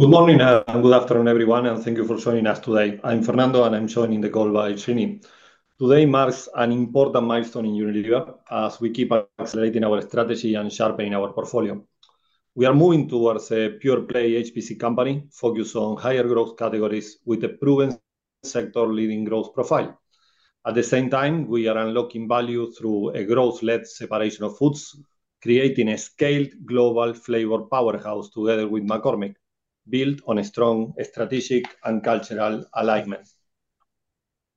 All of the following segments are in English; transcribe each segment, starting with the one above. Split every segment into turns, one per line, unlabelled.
Good morning and good afternoon, everyone, and thank you for joining us today. I'm Fernando, and I'm joining the call by Srini. Today marks an important milestone in Unilever as we keep accelerating our strategy and sharpening our portfolio. We are moving towards a pure-play HPC company focused on higher growth categories with a proven sector-leading growth profile. At the same time, we are unlocking value through a growth-led separation of foods, creating a scaled global flavor powerhouse together with McCormick, built on a strong strategic and cultural alignment.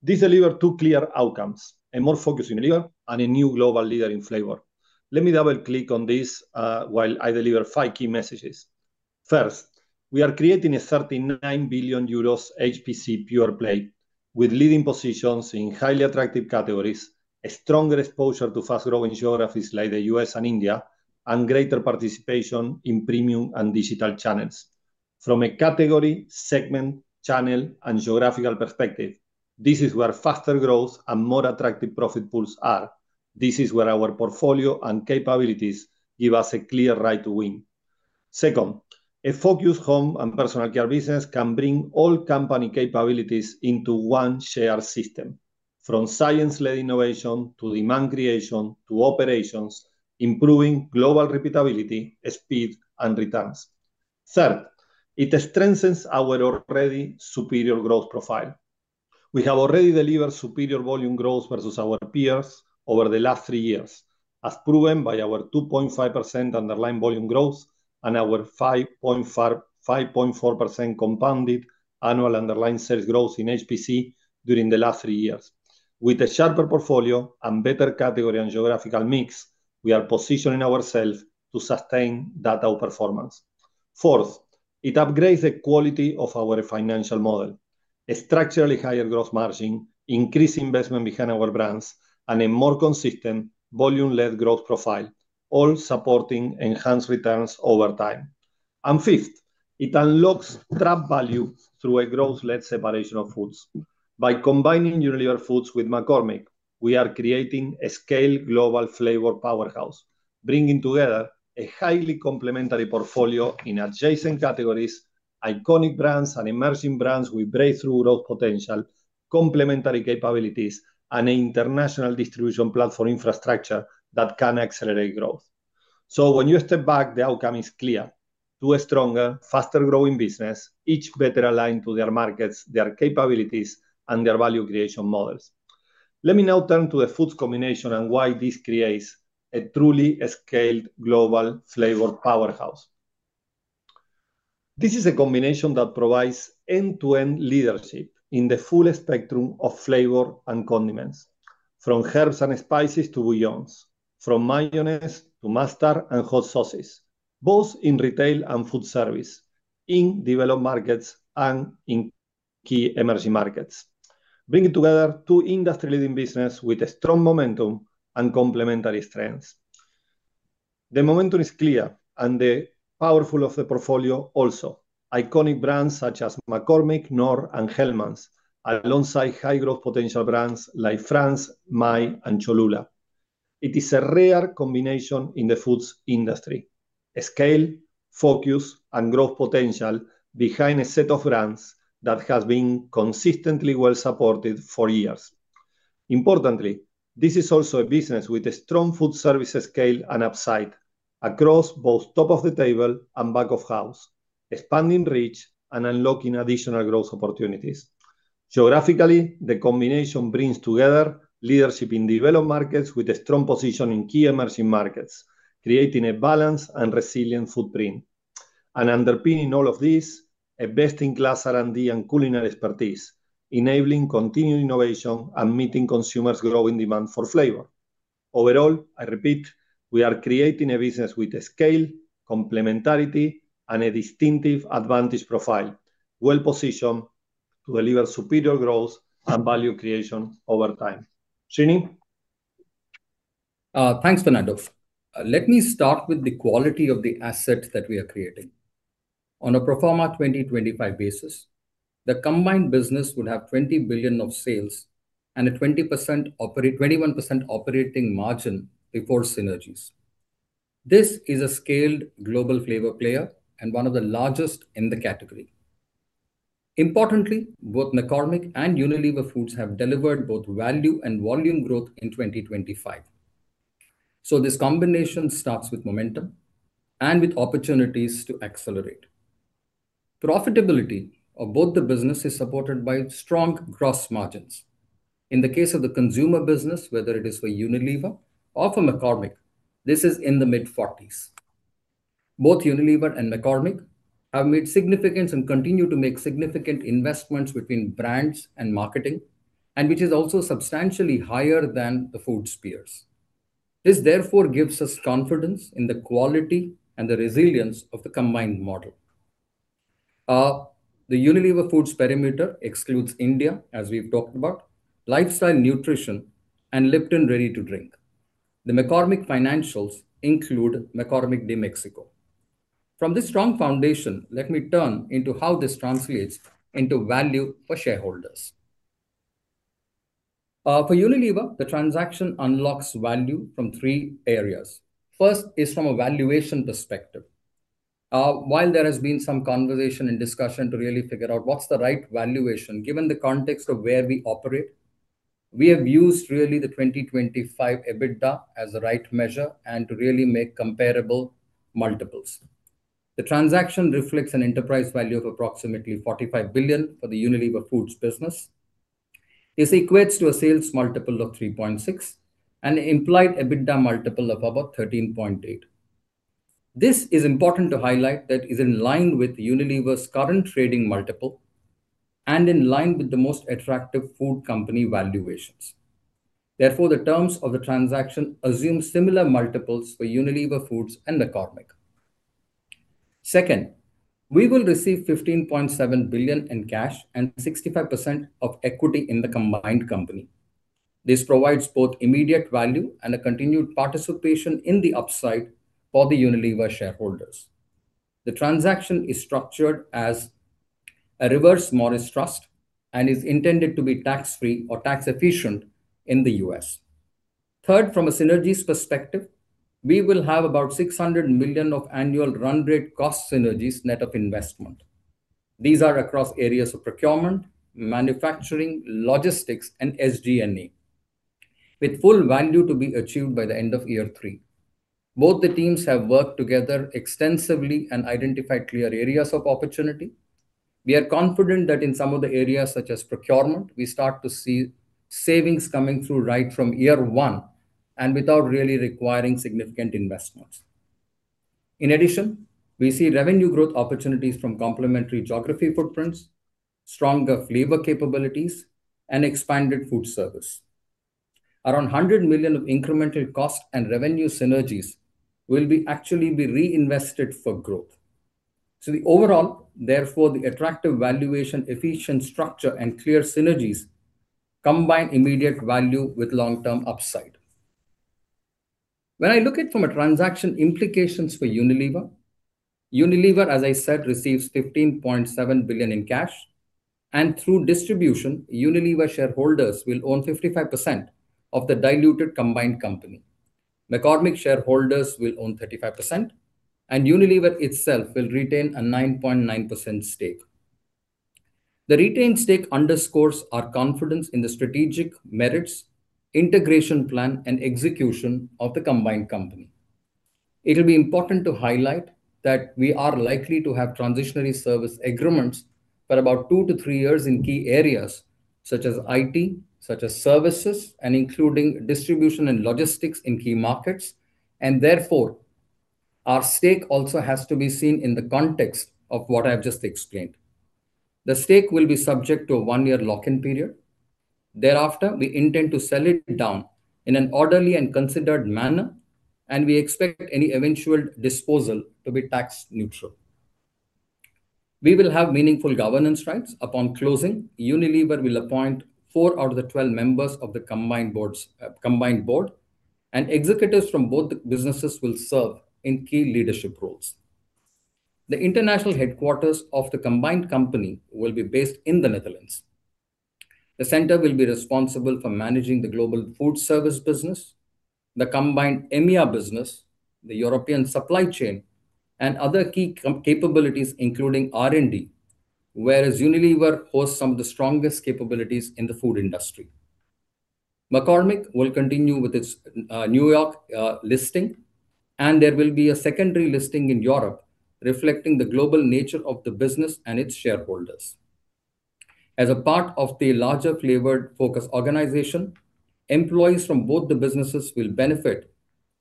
This deliver two clear outcomes, a more focused Unilever and a new global leader in flavor. Let me double-click on this while I deliver five key messages. First, we are creating a 39 billion euros HPC pure-play with leading positions in highly attractive categories, a stronger exposure to fast-growing geographies like the U.S. and India, and greater participation in premium and digital channels. From a category, segment, channel, and geographical perspective, this is where faster growth and more attractive profit pools are. This is where our portfolio and capabilities give us a clear right to win. Second, a focused home and personal care business can bring all company capabilities into one shared system, from science-led innovation to demand creation to operations, improving global repeatability, speed, and returns. Third, it strengthens our already superior growth profile. We have already delivered superior volume growth versus our peers over the last three years, as proven by our 2.5% underlying volume growth and our 5.4% compounded annual underlying sales growth in HPC during the last three years. With a sharper portfolio and better category and geographical mix, we are positioning ourselves to sustain that outperformance. Fourth, it upgrades the quality of our financial model. A structurally higher growth margin, increased investment behind our brands, and a more consistent volume-led growth profile, all supporting enhanced returns over time. Fifth, it unlocks trapped value through a growth-led separation of foods. By combining Unilever Foods with McCormick, we are creating a scaled global flavor powerhouse, bringing together a highly complementary portfolio in adjacent categories, iconic brands and emerging brands with breakthrough growth potential, complementary capabilities, and international distribution platform infrastructure that can accelerate growth. When you step back, the outcome is clear. Two stronger, faster-growing businesses, each better aligned to their markets, their capabilities, and their value creation models. Let me now turn to the foods combination and why this creates a truly scaled global flavor powerhouse. This is a combination that provides end-to-end leadership in the full spectrum of flavor and condiments, from herbs and spices to bouillons, from mayonnaise to mustard and hot sauces, both in retail and food service, in developed markets and in key emerging markets, bringing together two industry-leading businesses with a strong momentum and complementary strengths. The momentum is clear and the power of the portfolio also. Iconic brands such as McCormick, Knorr, and Hellmann's, alongside high-growth potential brands like Frank's, Maille, and Cholula. It is a rare combination in the food industry. Scale, focus, and growth potential behind a set of brands that has been consistently well-supported for years. Importantly, this is also a business with a strong food service scale and upside across both top of the table and back of house, expanding reach and unlocking additional growth opportunities. Geographically, the combination brings together leadership in developed markets with a strong position in key emerging markets, creating a balanced and resilient footprint. Underpinning all of this, a best-in-class R&D and culinary expertise, enabling continued innovation and meeting consumers' growing demand for flavor. Overall, I repeat, we are creating a business with scale, complementarity, and a distinctive advantage profile, well-positioned to deliver superior growth and value creation over time. Srini?
Thanks, Fernando. Let me start with the quality of the asset that we are creating. On a proforma 2025 basis, the combined business would have $20 billion of sales and a 21% operating margin before synergies. This is a scaled global flavor player and one of the largest in the category. Importantly, both McCormick and Unilever Foods have delivered both value and volume growth in 2025. This combination starts with momentum and with opportunities to accelerate. Profitability of both the business is supported by strong gross margins. In the case of the consumer business, whether it is for Unilever or for McCormick, this is in the mid-40s. Both Unilever and McCormick have made significant and continue to make significant investments in brands and marketing, and which is also substantially higher than the food peers. This therefore gives us confidence in the quality and the resilience of the combined model. The Unilever Foods perimeter excludes India, as we've talked about, Lifestyle Nutrition and Lipton Ready to Drink. The McCormick financials include McCormick de Mexico. From this strong foundation, let me turn to how this translates into value for shareholders. For Unilever, the transaction unlocks value from three areas. First is from a valuation perspective. While there has been some conversation and discussion to really figure out what's the right valuation given the context of where we operate, we have used really the 2025 EBITDA as the right measure and to really make comparable multiples. The transaction reflects an enterprise value of approximately $45 billion for the Unilever Foods business. This equates to a sales multiple of 3.6x and implied EBITDA multiple of about 13.8x. This is important to highlight that is in line with Unilever's current trading multiple and in line with the most attractive food company valuations. Therefore, the terms of the transaction assume similar multiples for Unilever Foods and McCormick. Second, we will receive $15.7 billion in cash and 65% of equity in the combined company. This provides both immediate value and a continued participation in the upside for the Unilever shareholders. The transaction is structured as a Reverse Morris Trust and is intended to be tax-free or tax efficient in the U.S. Third, from a synergies perspective, we will have about $600 million of annual run rate cost synergies net of investment. These are across areas of procurement, manufacturing, logistics, and SG&A, with full value to be achieved by the end of year three. Both the teams have worked together extensively and identified clear areas of opportunity. We are confident that in some of the areas, such as procurement, we start to see savings coming through right from year one and without really requiring significant investments. In addition, we see revenue growth opportunities from complementary geography footprints, stronger flavor capabilities, and expanded food service. Around $100 million of incremental cost and revenue synergies will actually be reinvested for growth. The overall, therefore, the attractive valuation efficient structure and clear synergies combine immediate value with long-term upside. When I look at from a transaction implications for Unilever, Unilever, as I said, receives $15.7 billion in cash, and through distribution, Unilever shareholders will own 55% of the diluted combined company. McCormick shareholders will own 35%, and Unilever itself will retain a 9.9% stake. The retained stake underscores our confidence in the strategic merits, integration plan, and execution of the combined company. It'll be important to highlight that we are likely to have transitionary service agreements for about 2-3 years in key areas such as IT, services, and including distribution and logistics in key markets. Therefore, our stake also has to be seen in the context of what I've just explained. The stake will be subject to a 1-year lock-in period. Thereafter, we intend to sell it down in an orderly and considered manner, and we expect any eventual disposal to be tax neutral. We will have meaningful governance rights. Upon closing, Unilever will appoint four out of the 12 members of the combined board, and executives from both the businesses will serve in key leadership roles. The international headquarters of the combined company will be based in the Netherlands. The center will be responsible for managing the global food service business, the combined EMEA business, the European supply chain, and other key commercial capabilities, including R&D, whereas Unilever hosts some of the strongest capabilities in the food industry. McCormick will continue with its New York listing, and there will be a secondary listing in Europe reflecting the global nature of the business and its shareholders. As a part of the larger flavored focus organization, employees from both the businesses will benefit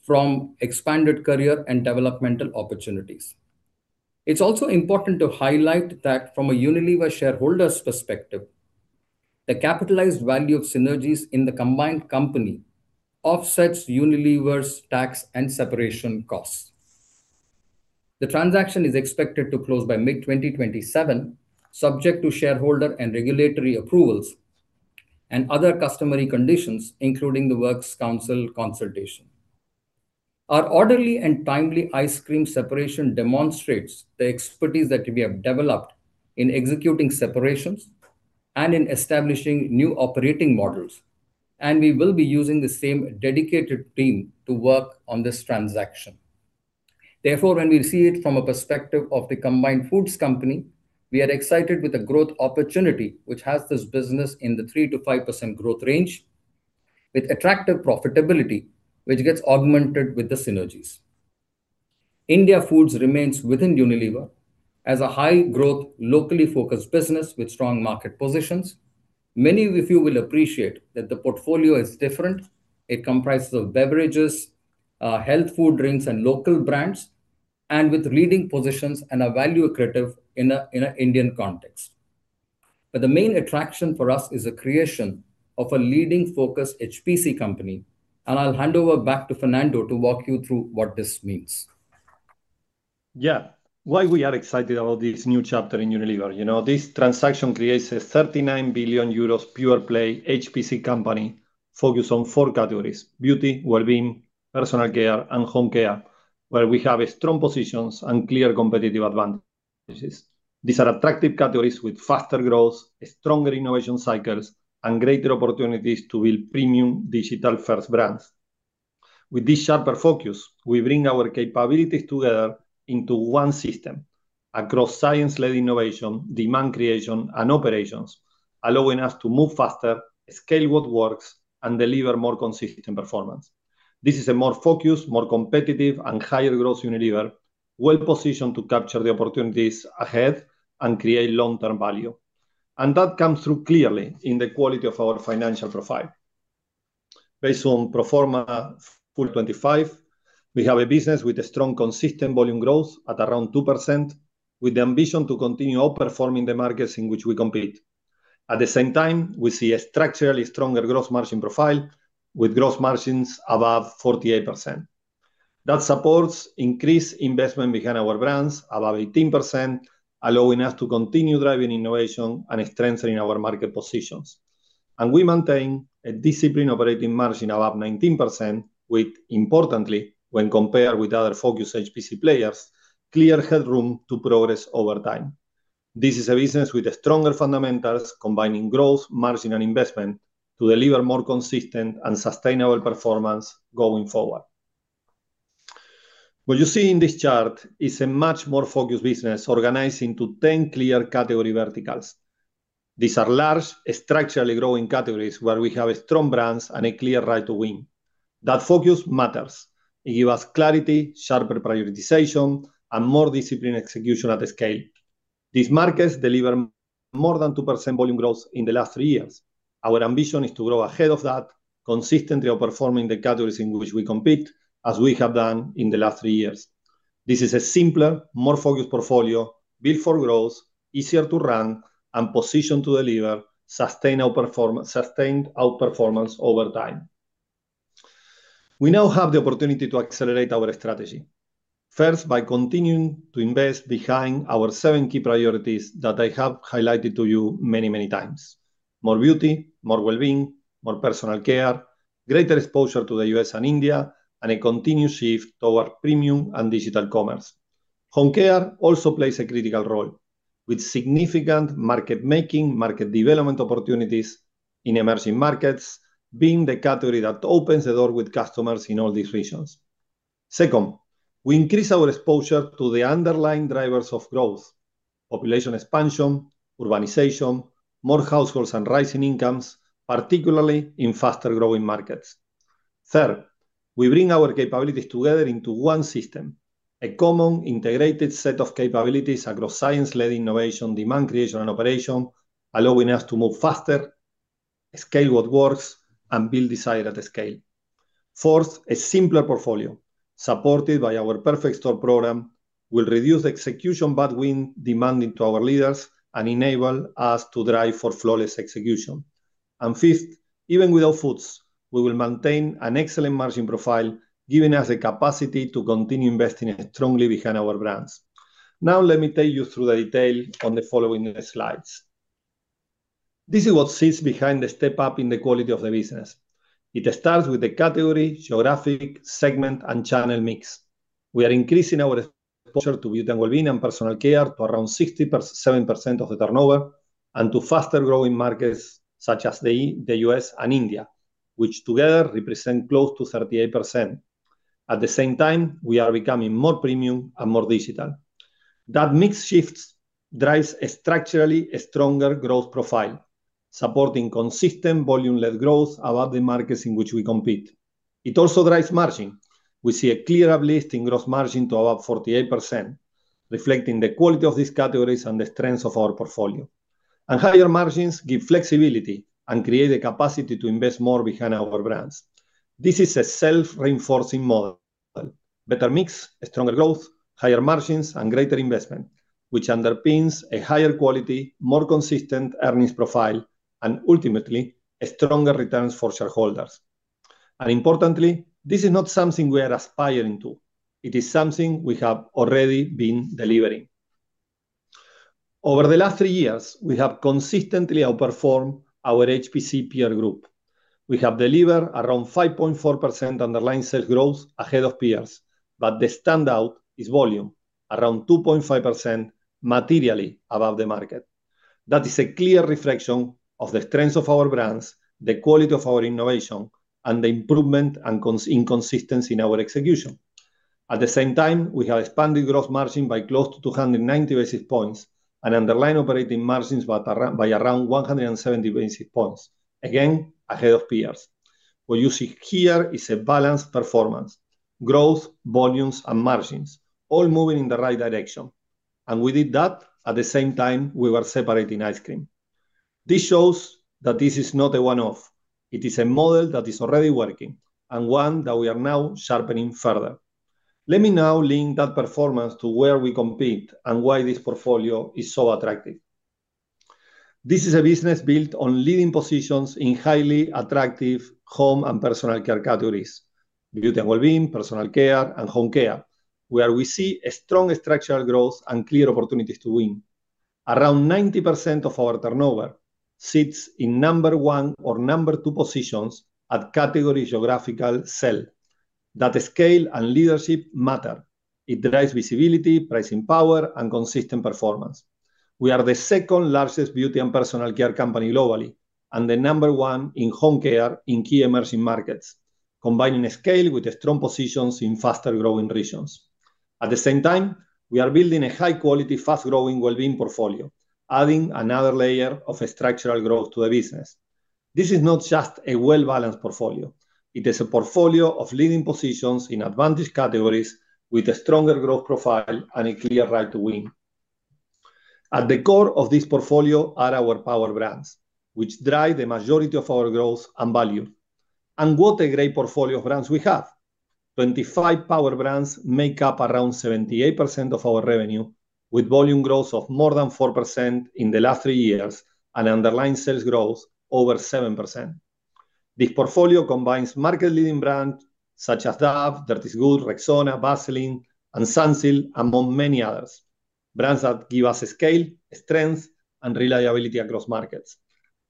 from expanded career and developmental opportunities. It's also important to highlight that from a Unilever shareholder's perspective, the capitalized value of synergies in the combined company offsets Unilever's tax and separation costs. The transaction is expected to close by mid-2027, subject to shareholder and regulatory approvals and other customary conditions, including the Works Council consultation. Our orderly and timely Ice Cream separation demonstrates the expertise that we have developed in executing separations and in establishing new operating models, and we will be using the same dedicated team to work on this transaction. Therefore, when we see it from a perspective of the combined foods company, we are excited with the growth opportunity, which has this business in the 3%-5% growth range with attractive profitability, which gets augmented with the synergies. India Foods remains within Unilever as a high-growth, locally focused business with strong market positions. Many of you will appreciate that the portfolio is different. It comprises of beverages, health food drinks, and local brands, and with leading positions and a value accretive in an Indian context. The main attraction for us is the creation of a leading focus HPC company, and I'll hand over back to Fernando to walk you through what this means.
Yeah. Why we are excited about this new chapter in Unilever? You know, this transaction creates a 39 billion euros pure-play HPC company focused on four categories. Beauty, wellbeing, personal care, and home care, where we have strong positions and clear competitive advantage. These are attractive categories with faster growth, stronger innovation cycles, and greater opportunities to build premium digital-first brands. With this sharper focus, we bring our capabilities together into one system across science-led innovation, demand creation, and operations, allowing us to move faster, scale what works, and deliver more consistent performance. This is a more focused, more competitive and higher growth Unilever, well-positioned to capture the opportunities ahead and create long-term value. That comes through clearly in the quality of our financial profile. Based on pro forma full 2025, we have a business with a strong, consistent volume growth at around 2%, with the ambition to continue outperforming the markets in which we compete. At the same time, we see a structurally stronger gross margin profile with gross margins above 48%. That supports increased investment behind our brands above 18%, allowing us to continue driving innovation and strengthening our market positions. We maintain a disciplined operating margin above 19%, with importantly, when compared with other focused HPC players, clear headroom to progress over time. This is a business with stronger fundamentals, combining growth, margin and investment to deliver more consistent and sustainable performance going forward. What you see in this chart is a much more focused business organized into 10 clear category verticals. These are large, structurally growing categories where we have strong brands and a clear right to win. That focus matters. It gives us clarity, sharper prioritization, and more disciplined execution at scale. These markets deliver more than 2% volume growth in the last three years. Our ambition is to grow ahead of that, consistently outperforming the categories in which we compete, as we have done in the last three years. This is a simpler, more focused portfolio built for growth, easier to run and positioned to deliver sustained outperformance over time. We now have the opportunity to accelerate our strategy, first, by continuing to invest behind our seven key priorities that I have highlighted to you many, many times. More beauty, more wellbeing, more personal care, greater exposure to the U.S. and India, and a continued shift toward premium and digital commerce. Home care also plays a critical role, with significant market making, market development opportunities in emerging markets being the category that opens the door with customers in all these regions. Second, we increase our exposure to the underlying drivers of growth, population expansion, urbanization, more households, and rising incomes, particularly in faster-growing markets. Third, we bring our capabilities together into one system, a common integrated set of capabilities across science-led innovation, demand creation, and operation, allowing us to move faster, scale what works, and build desire at scale. Fourth, a simpler portfolio supported by our Perfect Store program will reduce execution bandwidth demands on our leaders and enable us to drive for flawless execution. Fifth, even without foods, we will maintain an excellent margin profile, giving us the capacity to continue investing strongly behind our brands. Now, let me take you through the details on the following slides. This is what sits behind the step-up in the quality of the business. It starts with the category, geographic segment and channel mix. We are increasing our exposure to beauty and wellbeing and personal care to around 67% of the turnover, and to faster-growing markets such as the U.S. and India, which together represent close to 38%. At the same time, we are becoming more premium and more digital. That mix shift drives a structurally stronger growth profile, supporting consistent volume-led growth above the markets in which we compete. It also drives margin. We see a clear uplift in gross margin to above 48%, reflecting the quality of these categories and the strengths of our portfolio. Higher margins give flexibility and create the capacity to invest more behind our brands. This is a self-reinforcing model. Better mix, stronger growth, higher margins and greater investment, which underpins a higher quality, more consistent earnings profile and ultimately stronger returns for shareholders. Importantly, this is not something we are aspiring to. It is something we have already been delivering. Over the last three years, we have consistently outperformed our HPC peer group. We have delivered around 5.4% underlying sales growth ahead of peers, but the standout is volume around 2.5% materially above the market. That is a clear reflection of the strengths of our brands, the quality of our innovation, and the improvement in consistency in our execution. At the same time, we have expanded gross margin by close to 290 basis points and underlying operating margins by around 170 basis points. Again, ahead of peers. What you see here is a balanced performance, growth, volumes and margins all moving in the right direction. We did that at the same time we were separating Ice Cream. This shows that this is not a one-off. It is a model that is already working and one that we are now sharpening further. Let me now link that performance to where we compete and why this portfolio is so attractive. This is a business built on leading positions in highly attractive home and personal care categories, beauty and wellbeing, personal care and home care, where we see a strong structural growth and clear opportunities to win. Around 90% of our turnover sits in number one or number two positions at category geographical level. That scale and leadership matter. It drives visibility, pricing power, and consistent performance. We are the second largest beauty and personal care company globally, and the number one in home care in key emerging markets, combining scale with strong positions in faster-growing regions. At the same time, we are building a high-quality, fast-growing wellbeing portfolio, adding another layer of structural growth to the business. This is not just a well-balanced portfolio, it is a portfolio of leading positions in advantage categories with a stronger growth profile and a clear right to win. At the core of this portfolio are our power brands, which drive the majority of our growth and value. What a great portfolio of brands we have. 25 power brands make up around 78% of our revenue, with volume growth of more than 4% in the last three years and underlying sales growth over 7%. This portfolio combines market leading brands such as Dove, Dirt Is Good, Rexona, Vaseline, and Sunsilk, among many others. Brands that give us scale, strength, and reliability across markets.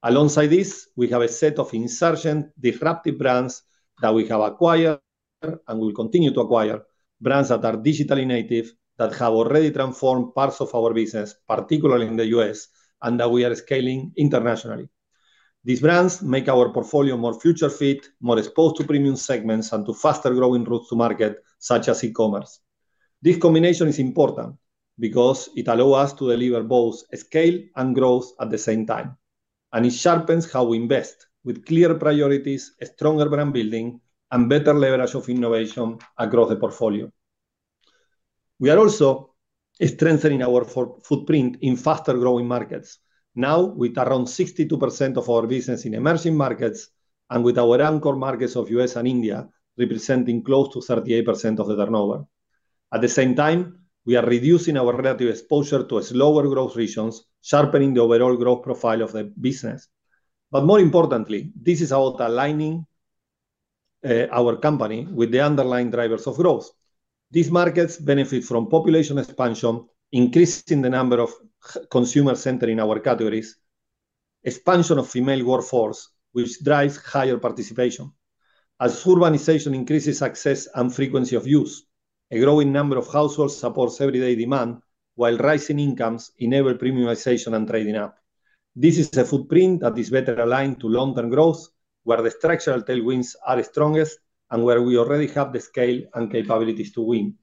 Alongside this, we have a set of insurgent disruptive brands that we have acquired and will continue to acquire, brands that are digitally native, that have already transformed parts of our business, particularly in the U.S., and that we are scaling internationally. These brands make our portfolio more future-fit, more exposed to premium segments, and to faster-growing routes to market, such as e-commerce. This combination is important because it allow us to deliver both scale and growth at the same time, and it sharpens how we invest with clear priorities, stronger brand building, and better leverage of innovation across the portfolio. We are also strengthening our footprint in faster-growing markets. Now, with around 62% of our business in emerging markets, and with our anchor markets of U.S. and India representing close to 38% of the turnover. At the same time, we are reducing our relative exposure to slower growth regions, sharpening the overall growth profile of the business. More importantly, this is about aligning our company with the underlying drivers of growth. These markets benefit from population expansion, increasing the number of consumers in our categories, expansion of female workforce, which drives higher participation. As urbanization increases access and frequency of use, a growing number of households supports everyday demand, while rising incomes enable premiumization and trading up. This is the footprint that is better aligned to long-term growth, where the structural tailwinds are the strongest and where we already have the scale and capabilities to win.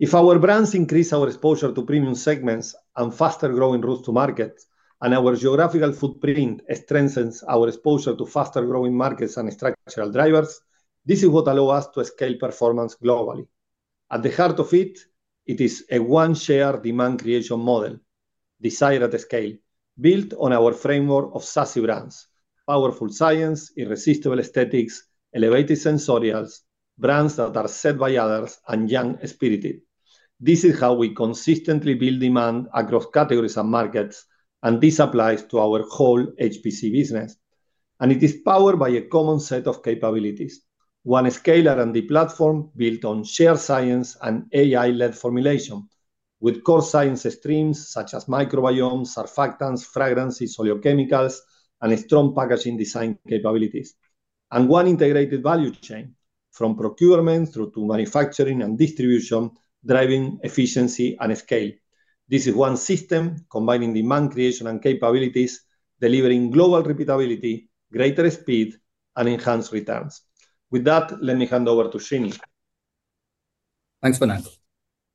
If our brands increase our exposure to premium segments and faster-growing routes to market, and our geographical footprint strengthens our exposure to faster-growing markets and structural drivers, this is what allow us to scale performance globally. At the heart of it is a one share demand creation model, desire at scale, built on our framework of SASSY brands, powerful science, irresistible aesthetics, elevated sensorials, brands that are set by others, and young-spirited. This is how we consistently build demand across categories and markets, and this applies to our whole HPC business, and it is powered by a common set of capabilities. One scalar R&D platform built on shared science and AI-led formulation with core science streams such as microbiome, surfactants, fragrances, oleochemicals, and strong packaging design capabilities. One integrated value chain from procurement through to manufacturing and distribution, driving efficiency and scale. This is one system combining demand creation and capabilities, delivering global repeatability, greater speed, and enhanced returns. With that, let me hand over to Srini.
Thanks, Fernando.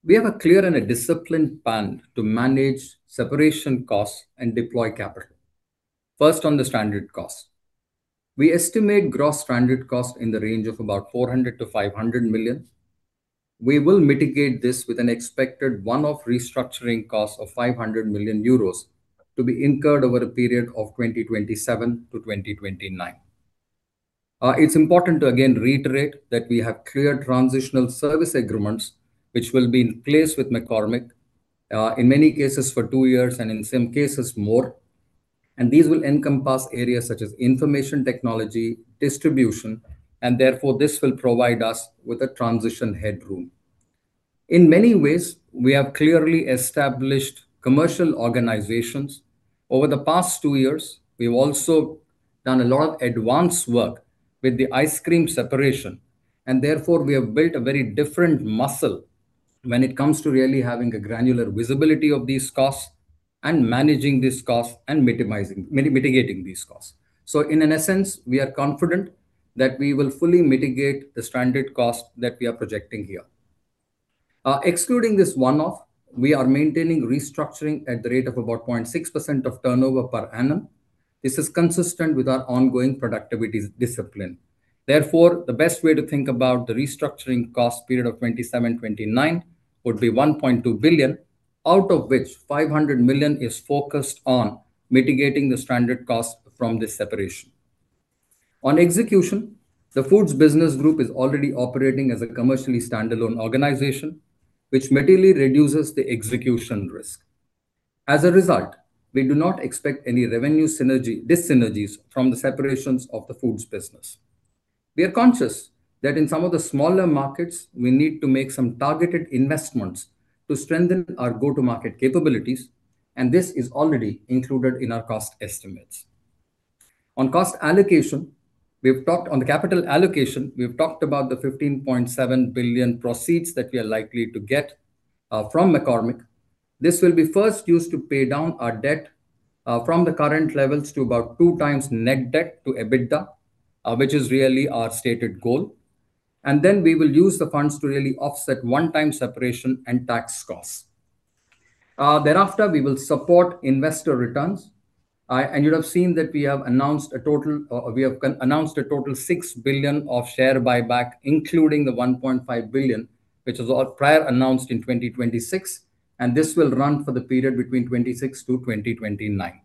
We have a clear and disciplined plan to manage separation costs and deploy capital. First, on the standard cost. We estimate gross standard cost in the range of about 400 million-500 million. We will mitigate this with an expected one-off restructuring cost of 500 million euros to be incurred over a period of 2027-2029. It's important to again reiterate that we have clear transitional service agreements which will be in place with McCormick, in many cases for two years, and in some cases more. These will encompass areas such as information technology, distribution, and therefore, this will provide us with a transition headroom. In many ways, we have clearly established commercial organizations. Over the past two years, we've also done a lot of advance work with the Ice Cream separation, and therefore, we have built a very different muscle when it comes to really having a granular visibility of these costs and managing these costs and mitigating these costs. In essence, we are confident that we will fully mitigate the standard cost that we are projecting here. Excluding this one-off, we are maintaining restructuring at the rate of about 0.6% of turnover per annum. This is consistent with our ongoing productivity discipline. Therefore, the best way to think about the restructuring cost period of 2027, 2029 would be 1.2 billion, out of which 500 million is focused on mitigating the standard cost from this separation. On execution, the foods business group is already operating as a commercially standalone organization, which materially reduces the execution risk. As a result, we do not expect any revenue synergy, dis-synergies from the separations of the foods business. We are conscious that in some of the smaller markets, we need to make some targeted investments to strengthen our go-to-market capabilities. This is already included in our cost estimates. On the capital allocation, we've talked about the $15.7 billion proceeds that we are likely to get from McCormick. This will be first used to pay down our debt from the current levels to about 2x net debt to EBITDA, which is really our stated goal. We will use the funds to really offset one-time separation and tax costs. Thereafter, we will support investor returns. You'll have seen that we have announced a total 6 billion of share buyback, including the 1.5 billion, which was all prior announced in 2026, and this will run for the period between 2026 to 2029.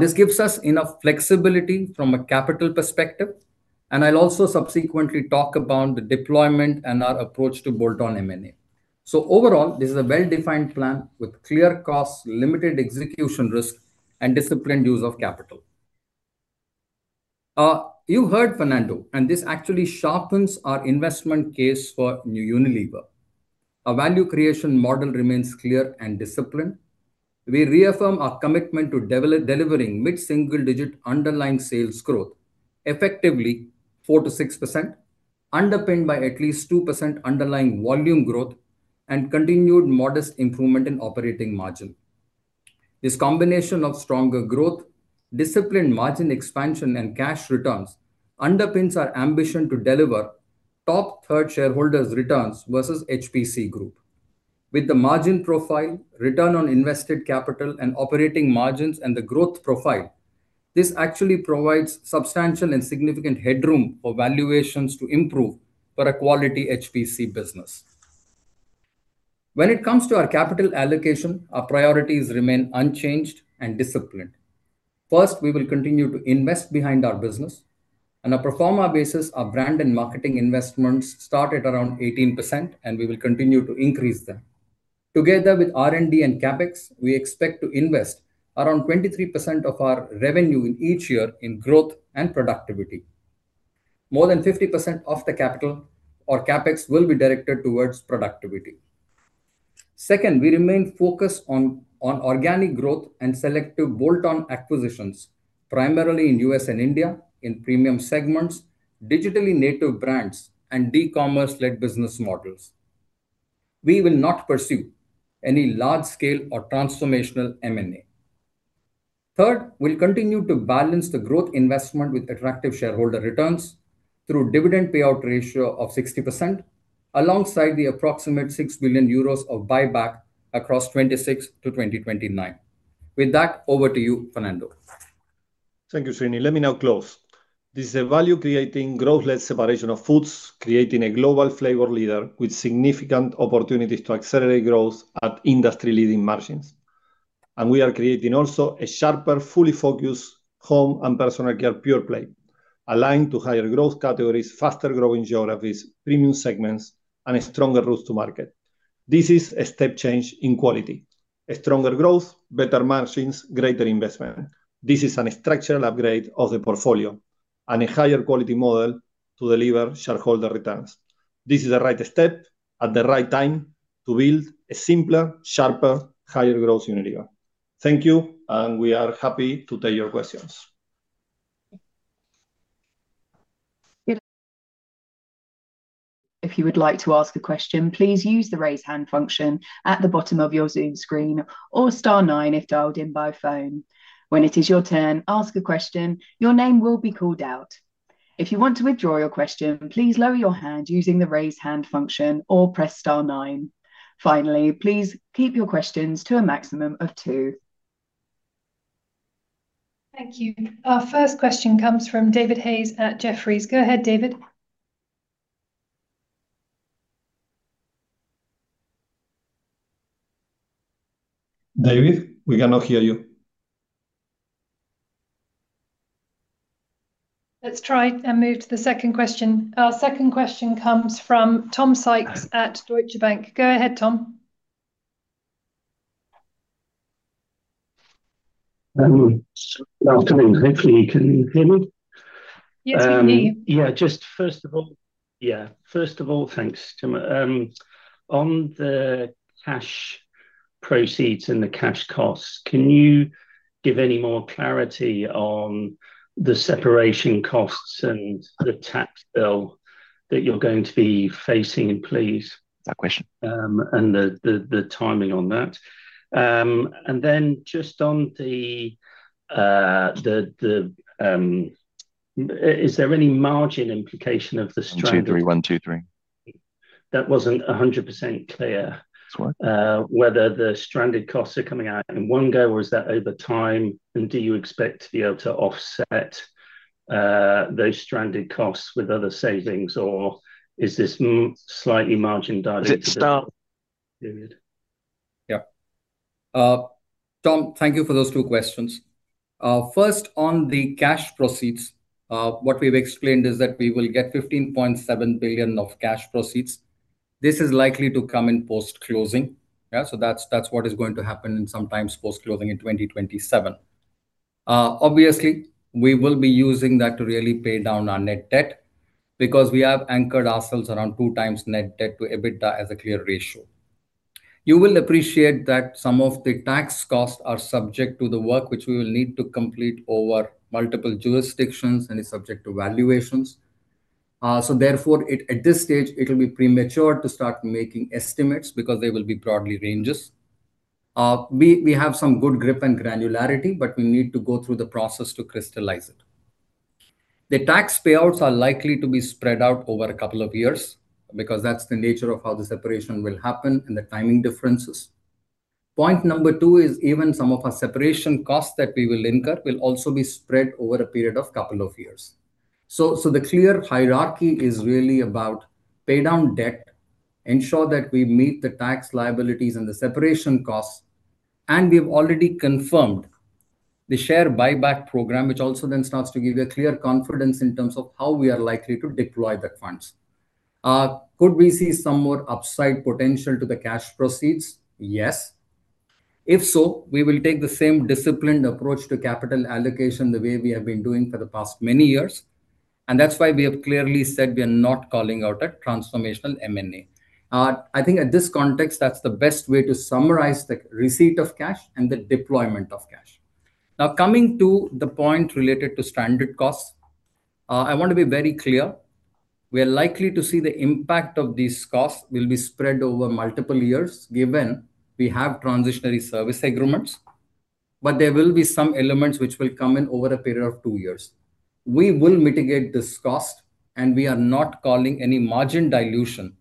This gives us enough flexibility from a capital perspective, and I'll also subsequently talk about the deployment and our approach to bolt-on M&A. Overall, this is a well-defined plan with clear costs, limited execution risk, and disciplined use of capital. You heard Fernando, and this actually sharpens our investment case for new Unilever. Our value creation model remains clear and disciplined. We reaffirm our commitment to delivering mid-single digit underlying sales growth, effectively 4%-6%, underpinned by at least 2% underlying volume growth and continued modest improvement in operating margin. This combination of stronger growth, disciplined margin expansion, and cash returns underpins our ambition to deliver top third shareholders' returns versus HPC group. With the margin profile, return on invested capital, and operating margins, and the growth profile, this actually provides substantial and significant headroom for valuations to improve for a quality HPC business. When it comes to our capital allocation, our priorities remain unchanged and disciplined. First, we will continue to invest behind our business. On a pro forma basis, our brand and marketing investments start at around 18%, and we will continue to increase them. Together with R&D and CapEx, we expect to invest around 23% of our revenue in each year in growth and productivity. More than 50% of the capital or CapEx will be directed towards productivity. Second, we remain focused on organic growth and selective bolt-on acquisitions, primarily in U.S. and India in premium segments, digitally native brands, and D-commerce-led business models. We will not pursue any large scale or transformational M&A. Third, we'll continue to balance the growth investment with attractive shareholder returns through dividend payout ratio of 60% alongside the approximate 6 billion euros of buyback across 2026 to 2029. With that, over to you, Fernando.
Thank you, Srini. Let me now close. This is a value-creating growth-led separation of Foods, creating a global flavor leader with significant opportunities to accelerate growth at industry-leading margins. We are creating also a sharper, fully focused Home and Personal Care pure play, aligned to higher growth categories, faster growing geographies, premium segments, and a stronger route to market. This is a step change in quality. A stronger growth, better margins, greater investment. This is a structural upgrade of the portfolio and a higher quality model to deliver shareholder returns. This is the right step at the right time to build a simpler, sharper, higher growth Unilever. Thank you, and we are happy to take your questions.
If you would like to ask a question, please use the raise hand function at the bottom of your Zoom screen or star nine if dialed in by phone. When it is your turn, ask a question, your name will be called out. If you want to withdraw your question, please lower your hand using the raise hand function or press star nine. Finally, please keep your questions to a maximum of two.
Thank you. Our first question comes from David Hayes at Jefferies. Go ahead, David.
David, we cannot hear you.
Let's try and move to the second question. Our second question comes from Tom Sykes at Deutsche Bank. Go ahead, Tom.
Good afternoon. Hopefully you can hear me.
Yes, we can hear you.
First of all, thanks, Tom. On the cash proceeds and the cash costs, can you give any more clarity on the separation costs and the tax bill that you're going to be facing, please?
That question.
The timing on that. Just on the, is there any margin implication of the stranded
One, two, three. One, two, three.
That wasn't 100% clear.
That's all right.
whether the stranded costs are coming out in one go, or is that over time, and do you expect to be able to offset those stranded costs with other savings, or is this slightly margin dilutive-
Is it start?
-period?
Tom, thank you for those two questions. First on the cash proceeds, what we've explained is that we will get $15.7 billion of cash proceeds. This is likely to come in post-closing. That's what is going to happen sometime post-closing in 2027. Obviously we will be using that to really pay down our net debt because we have anchored ourselves around 2x net debt to EBITDA as a clear ratio. You will appreciate that some of the tax costs are subject to the work which we will need to complete over multiple jurisdictions and is subject to valuations. It at this stage it'll be premature to start making estimates because they will be broad ranges. We have some good grip and granularity, but we need to go through the process to crystallize it. The tax payouts are likely to be spread out over a couple of years because that's the nature of how the separation will happen and the timing differences. Point number two is even some of our separation costs that we will incur will also be spread over a period of couple of years. The clear hierarchy is really about pay down debt, ensure that we meet the tax liabilities and the separation costs, and we have already confirmed the share buyback program, which also then starts to give you a clear confidence in terms of how we are likely to deploy the funds. Could we see some more upside potential to the cash proceeds? Yes. If so, we will take the same disciplined approach to capital allocation the way we have been doing for the past many years, and that's why we have clearly said we are not calling out a transformational M&A. I think in this context, that's the best way to summarize the receipt of cash and the deployment of cash. Now, coming to the point related to stranded costs, I want to be very clear, we are likely to see the impact of these costs will be spread over multiple years given we have transitional service agreements. There will be some elements which will come in over a period of two years. We will mitigate this cost, and we are not calling any margin dilution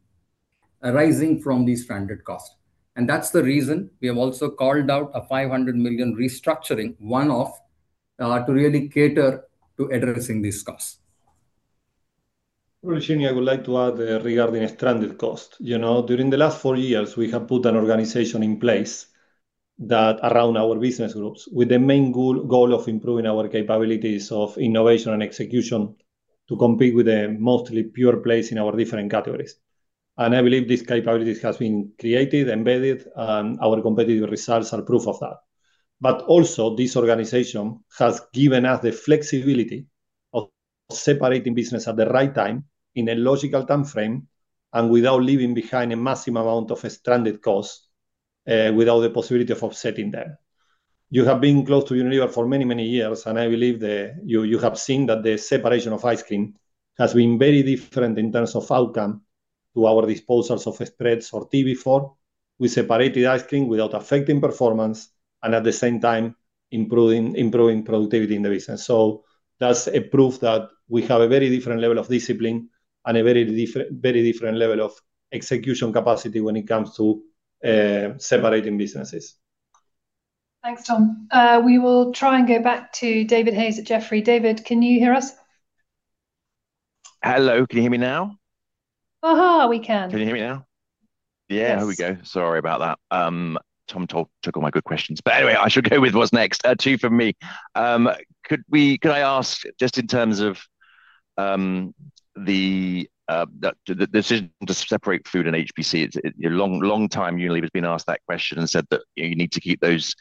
arising from these stranded costs. That's the reason we have also called out a 500 million restructuring one-off to really cater to addressing these costs.
Well, Srini, I would like to add regarding stranded cost. You know, during the last four years, we have put an organization in place that around our business groups with the main goal of improving our capabilities of innovation and execution to compete with a mostly pure plays in our different categories. I believe this capabilities has been created, embedded, and our competitive results are proof of that. Also, this organization has given us the flexibility of separating business at the right time in a logical timeframe and without leaving behind a massive amount of stranded costs without the possibility of offsetting them. You have been close to Unilever for many, many years, and I believe that you have seen that the separation of Ice Cream has been very different in terms of outcome to our disposals of spreads or tea business. We separated Ice Cream without affecting performance and at the same time improving productivity in the business. That's a proof that we have a very different level of discipline and a very different level of execution capacity when it comes to separating businesses.
Thanks, Tom. We will try and go back to David Hayes at Jefferies. David, can you hear us?
Hello, can you hear me now?
We can.
Can you hear me now?
Yes.
There we go. Sorry about that. Tom took all my good questions. Anyway, I should go with what's next. Two from me. Could I ask just in terms of the decision to separate food and HPC? It's a long time Unilever's been asked that question and said that you need to keep those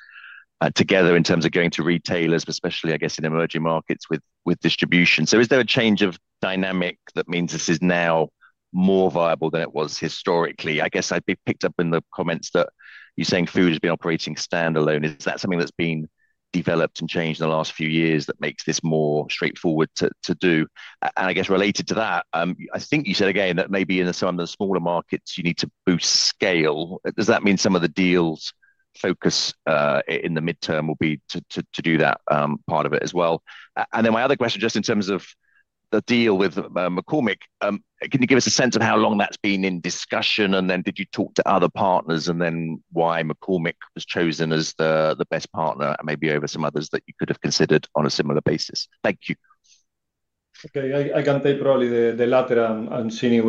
together in terms of going to retailers, especially, I guess, in emerging markets with distribution. Is there a change of dynamic that means this is now more viable than it was historically? I guess I'd pick up in the comments that you're saying food has been operating standalone. Is that something that's been developed and changed in the last few years that makes this more straightforward to do? I guess related to that, I think you said again that maybe in some of the smaller markets you need to boost scale. Does that mean some of the deals focus in the midterm will be to do that part of it as well? My other question, just in terms of the deal with McCormick, can you give us a sense of how long that's been in discussion? Did you talk to other partners? Why McCormick was chosen as the best partner maybe over some others that you could have considered on a similar basis? Thank you.
Okay. I can take probably the latter and Srini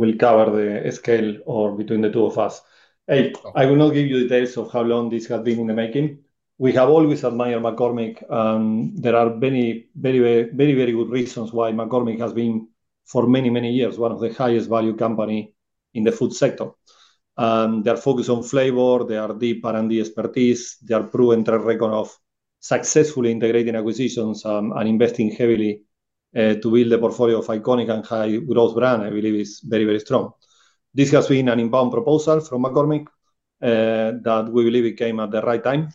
will cover the scale or between the two of us. I will not give you details of how long this has been in the making. We have always admired McCormick, and there are many very very good reasons why McCormick has been, for many years, one of the highest value company in the food sector. Their focus on flavor, their deep R&D expertise, their proven track record of successfully integrating acquisitions, and investing heavily to build a portfolio of iconic and high growth brand, I believe is very very strong. This has been an inbound proposal from McCormick, that we believe it came at the right time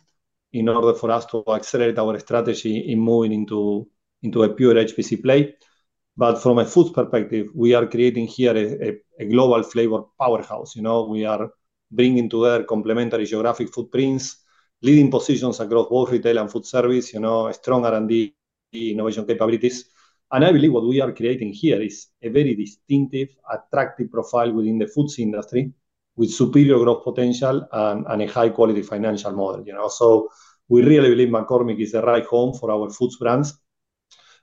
in order for us to accelerate our strategy in moving into a pure HPC play. From a food perspective, we are creating here a global flavor powerhouse. You know, we are bringing together complementary geographic footprints, leading positions across both retail and food service, you know, a strong R&D innovation capabilities. I believe what we are creating here is a very distinctive, attractive profile within the foods industry with superior growth potential and a high quality financial model, you know. We really believe McCormick is the right home for our foods brands.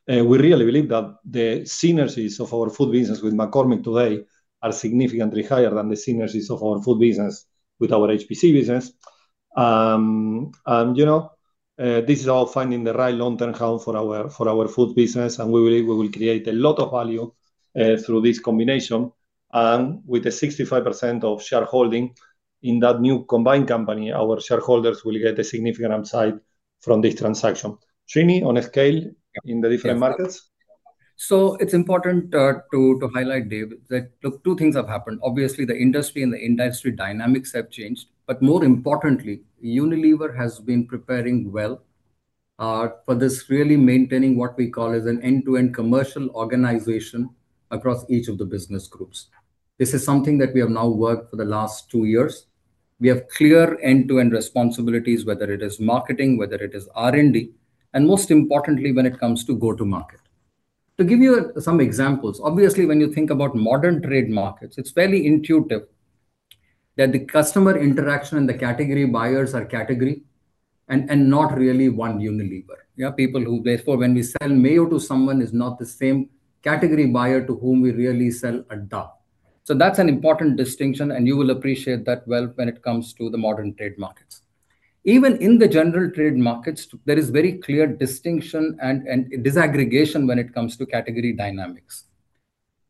We really believe that the synergies of our food business with McCormick today are significantly higher than the synergies of our food business with our HPC business. You know, this is all finding the right long-term home for our food business, and we believe we will create a lot of value through this combination. With the 65% of shareholding in that new combined company, our shareholders will get a significant upside from this transaction. Srini, on a scale in the different markets?
It's important to highlight, David, that look, two things have happened. Obviously, the industry and the industry dynamics have changed. More importantly, Unilever has been preparing well for this really maintaining what we call as an end-to-end commercial organization across each of the business groups. This is something that we have now worked for the last two years. We have clear end-to-end responsibilities, whether it is marketing, whether it is R&D, and most importantly, when it comes to go to market. To give you some examples, obviously, when you think about modern trade markets, it's fairly intuitive that the customer interaction and the category buyers are category and not really one Unilever. You have people who therefore when we sell mayo to someone is not the same category buyer to whom we really sell a Dove. That's an important distinction, and you will appreciate that well when it comes to the modern trade markets. Even in the general trade markets, there is very clear distinction and disaggregation when it comes to category dynamics.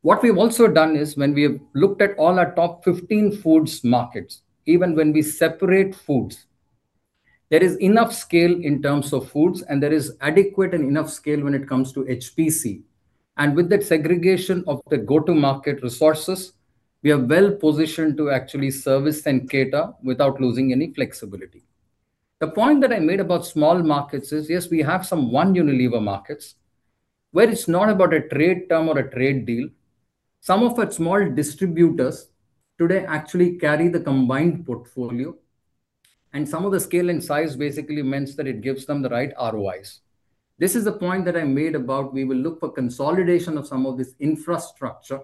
What we've also done is when we have looked at all our top 15 foods markets, even when we separate foods, there is enough scale in terms of foods, and there is adequate and enough scale when it comes to HPC. With that segregation of the go-to-market resources, we are well positioned to actually service and cater without losing any flexibility. The point that I made about small markets is, yes, we have some One Unilever Markets where it's not about a trade term or a trade deal. Some of its small distributors today actually carry the combined portfolio, and some of the scale and size basically means that it gives them the right ROIs. This is the point that I made about we will look for consolidation of some of this infrastructure,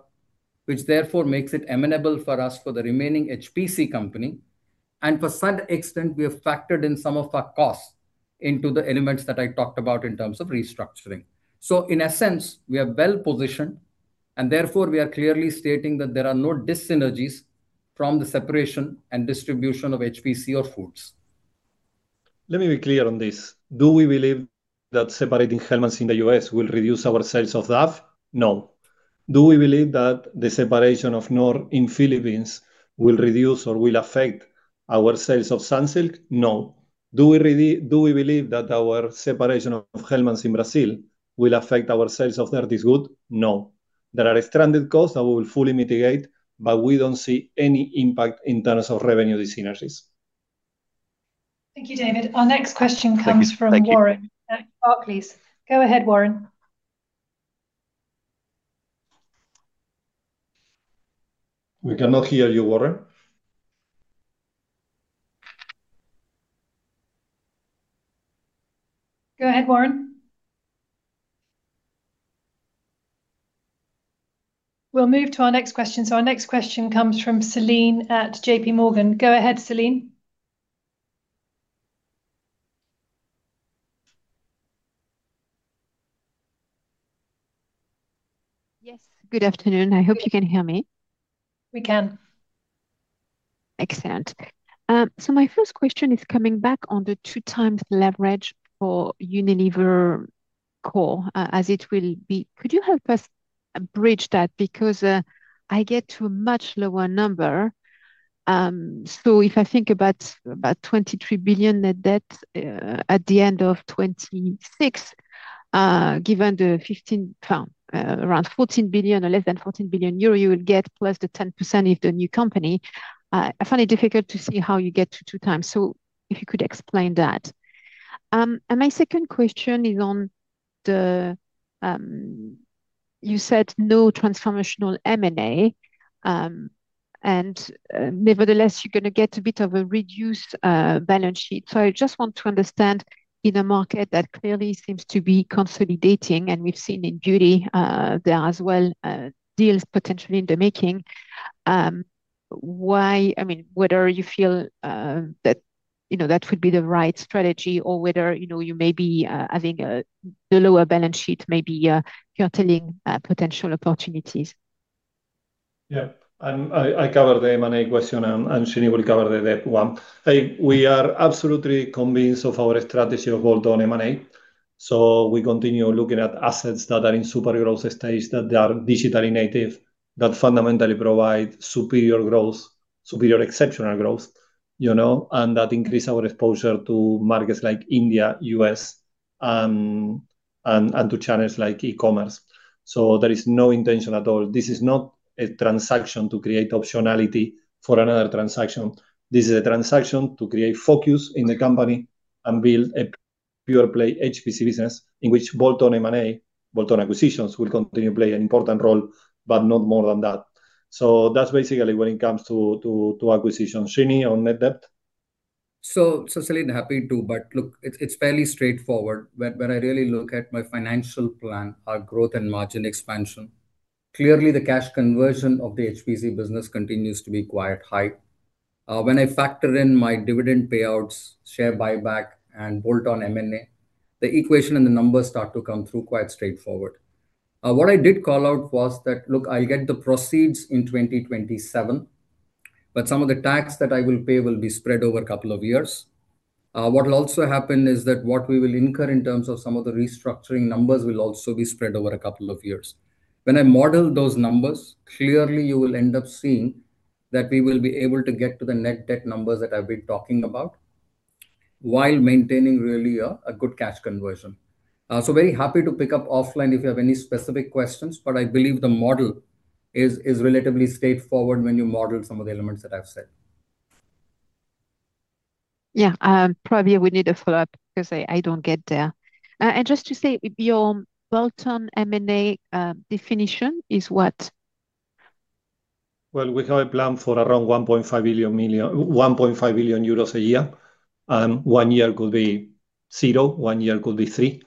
which therefore makes it amenable for us for the remaining HPC company. For said extent, we have factored in some of our costs into the elements that I talked about in terms of restructuring. In essence, we are well positioned, and therefore, we are clearly stating that there are no dyssynergies from the separation and distribution of HPC or foods.
Let me be clear on this. Do we believe that separating Hellmann's in the U.S. will reduce our sales of Dove? No. Do we believe that the separation of Knorr in Philippines will reduce or will affect our sales of Sunsilk? No. Do we believe that our separation of Hellmann's in Brazil will affect our sales of Dirt Is Good? No. There are stranded costs that we will fully mitigate, but we don't see any impact in terms of revenue dyssynergies.
Thank you, David. Our next question comes from-
Thank you.
Warren at Barclays. Go ahead, Warren.
We cannot hear you, Warren.
Go ahead, Warren. We'll move to our next question. Our next question comes from Celine at JPMorgan. Go ahead, Celine.
Yes. Good afternoon. I hope you can hear me.
We can.
Excellent. My first question is coming back on the 2x leverage for Unilever core, as it will be. Could you help us bridge that? Because I get to a much lower number. If I think about 23 billion net debt at the end of 2026, given around 14 billion or less than 14 billion euro, you will get plus the 10% if the new company. I find it difficult to see how you get to 2x. If you could explain that. My second question is on, you said no transformational M&A, and nevertheless, you're gonna get a bit of a reduced balance sheet. I just want to understand in a market that clearly seems to be consolidating, and we've seen in beauty there as well deals potentially in the making, why I mean whether you feel that you know that would be the right strategy or whether you know you may be having the lower balance sheet may be curtailing potential opportunities.
Yeah. I cover the M&A question and Srini will cover the net one. We are absolutely convinced of our strategy to hold on M&A. We continue looking at assets that are in superior growth stage, that they are digitally native, that fundamentally provide superior growth, superior exceptional growth, you know, and that increase our exposure to markets like India, U.S., and to channels like e-commerce. There is no intention at all. This is not a transaction to create optionality for another transaction. This is a transaction to create focus in the company and build a pure play HPC business in which bolt-on M&A, bolt-on acquisitions will continue to play an important role, but not more than that. That's basically when it comes to acquisitions. Srini, on net debt?
Celine, happy to, but look, it's fairly straightforward. When I really look at my financial plan, our growth and margin expansion, clearly the cash conversion of the HPC business continues to be quite high. When I factor in my dividend payouts, share buyback and bolt-on M&A, the equation and the numbers start to come through quite straightforward. What I did call out was that, look, I'll get the proceeds in 2027. But some of the tax that I will pay will be spread over couple of years. What'll also happen is that what we will incur in terms of some of the restructuring numbers will also be spread over a couple of years. When I model those numbers, clearly you will end up seeing that we will be able to get to the net debt numbers that I've been talking about while maintaining really a good cash conversion. Very happy to pick up offline if you have any specific questions, but I believe the model is relatively straightforward when you model some of the elements that I've said.
Yeah. Probably we need a follow-up 'cause I don't get there. Just to say, your bolt-on M&A definition is what?
Well, we have a plan for around 1.5 billion euros a year. One year could be 0, one year could be 3 billion,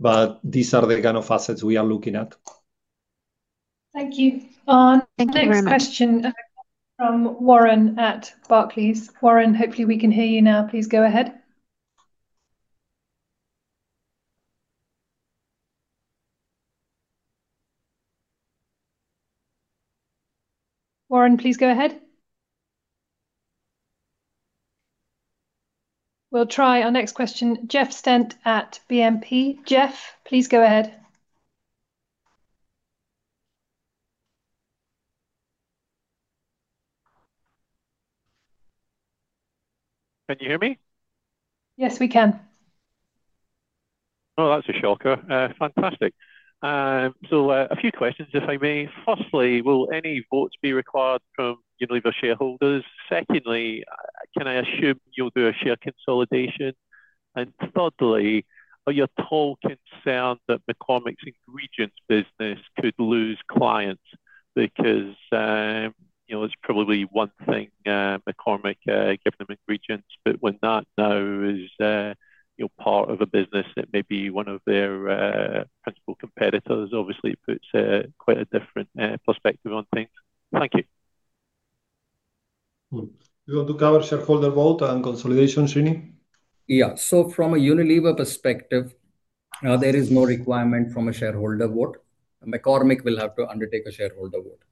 but these are the kind of assets we are looking at.
Thank you.
Thank you very much.
Next question from Warren at Barclays. Warren, hopefully we can hear you now. Please go ahead. Warren, please go ahead. We'll try our next question, Jeff Stent at BNP. Jeff, please go ahead.
Can you hear me?
Yes, we can.
Oh, that's a shocker. Fantastic. So, a few questions, if I may. Firstly, will any votes be required from Unilever shareholders? Secondly, can I assume you'll do a share consolidation? And thirdly, are you at all concerned that McCormick's ingredients business could lose clients because, you know, it's probably one thing, McCormick, giving them ingredients, but when that now is, you know, part of a business that may be one of their principal competitors obviously puts quite a different perspective on things. Thank you.
You want to cover shareholder vote and consolidation, Srini?
Yeah. From a Unilever perspective, there is no requirement from a shareholder vote. McCormick will have to undertake a shareholder vote.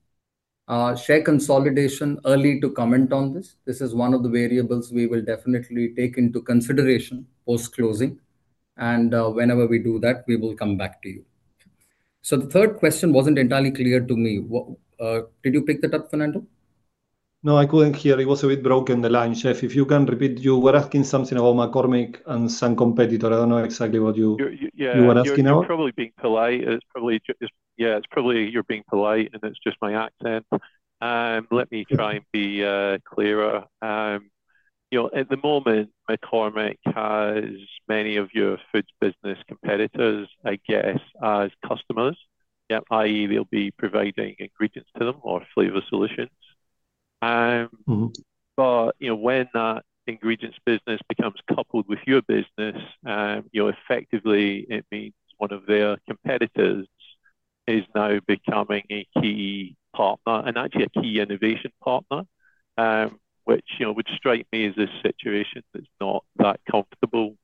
Share consolidation, early to comment on this. This is one of the variables we will definitely take into consideration post-closing, and, whenever we do that, we will come back to you. The third question wasn't entirely clear to me. What, did you pick that up, Fernando?
No, I couldn't hear. It was a bit broken, the line, Jeff. If you can repeat, you were asking something about McCormick and some competitor. I don't know exactly what you
Y-y-yeah
You were asking about.
You're probably being polite. It's just my accent. Let me try and be clearer. You know, at the moment, McCormick has many of your foods business competitors, I guess, as customers. Yeah, i.e., they'll be providing ingredients to them or flavor solutions.
Mm-hmm
You know, when that ingredients business becomes coupled with your business, you know, effectively it means one of their competitors is now becoming a key partner, and actually a key innovation partner, which, you know, would strike me as a situation that's not that comfortable.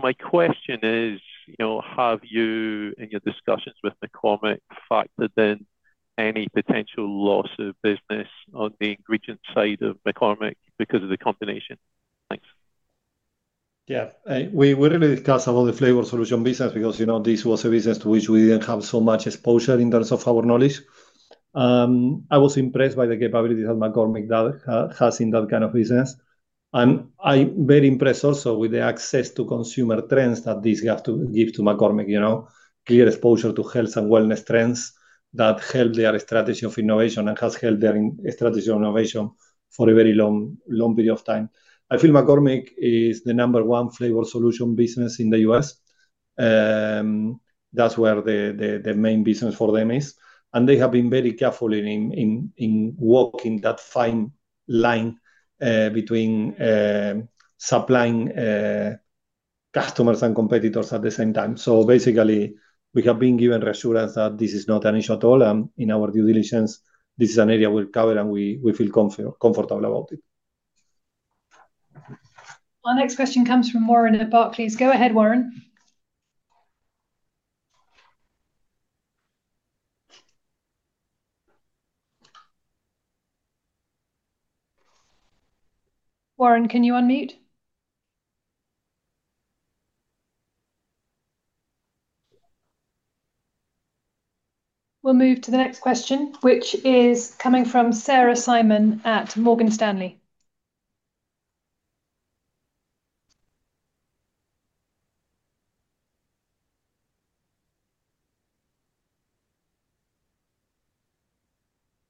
My question is, you know, have you, in your discussions with McCormick, factored in any potential loss of business on the ingredient side of McCormick because of the combination? Thanks.
Yeah. We really discussed about the flavor solution business because, you know, this was a business to which we didn't have so much exposure in terms of our knowledge. I was impressed by the capabilities that McCormick has in that kind of business, and I'm very impressed also with the access to consumer trends that this has to give to McCormick, you know, clear exposure to health and wellness trends that help their strategy of innovation and has helped their strategy of innovation for a very long period of time. I feel McCormick is the number one flavor solution business in the U.S. That's where the main business for them is, and they have been very careful in walking that fine line between supplying customers and competitors at the same time. Basically, we have been given reassurance that this is not an issue at all. In our due diligence, this is an area we'll cover, and we feel comfortable about it.
Our next question comes from Warren at Barclays. Go ahead, Warren. Warren, can you unmute? We'll move to the next question, which is coming from Sarah Simon at Morgan Stanley.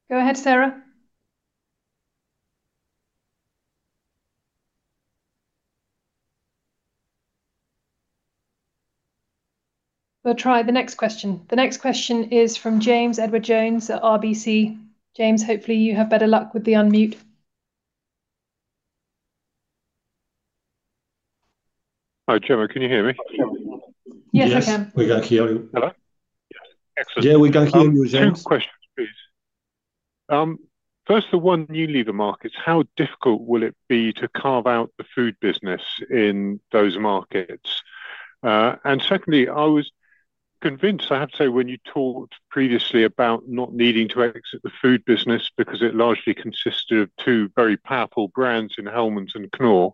Go ahead, Sarah. We'll try the next question. The next question is from James Edwardes Jones at RBC. James, hopefully you have better luck with the unmute.
Hi, Jemma. Can you hear me?
Yes, I can.
Yes, we got you.
Hello? Yes. Excellent.
Yeah, we got you, James.
Two questions, please. First the One Unilever Markets, how difficult will it be to carve out the food business in those markets? Secondly, I was convinced, I have to say, when you talked previously about not needing to exit the food business because it largely consisted of two very powerful brands in Hellmann's and Knorr.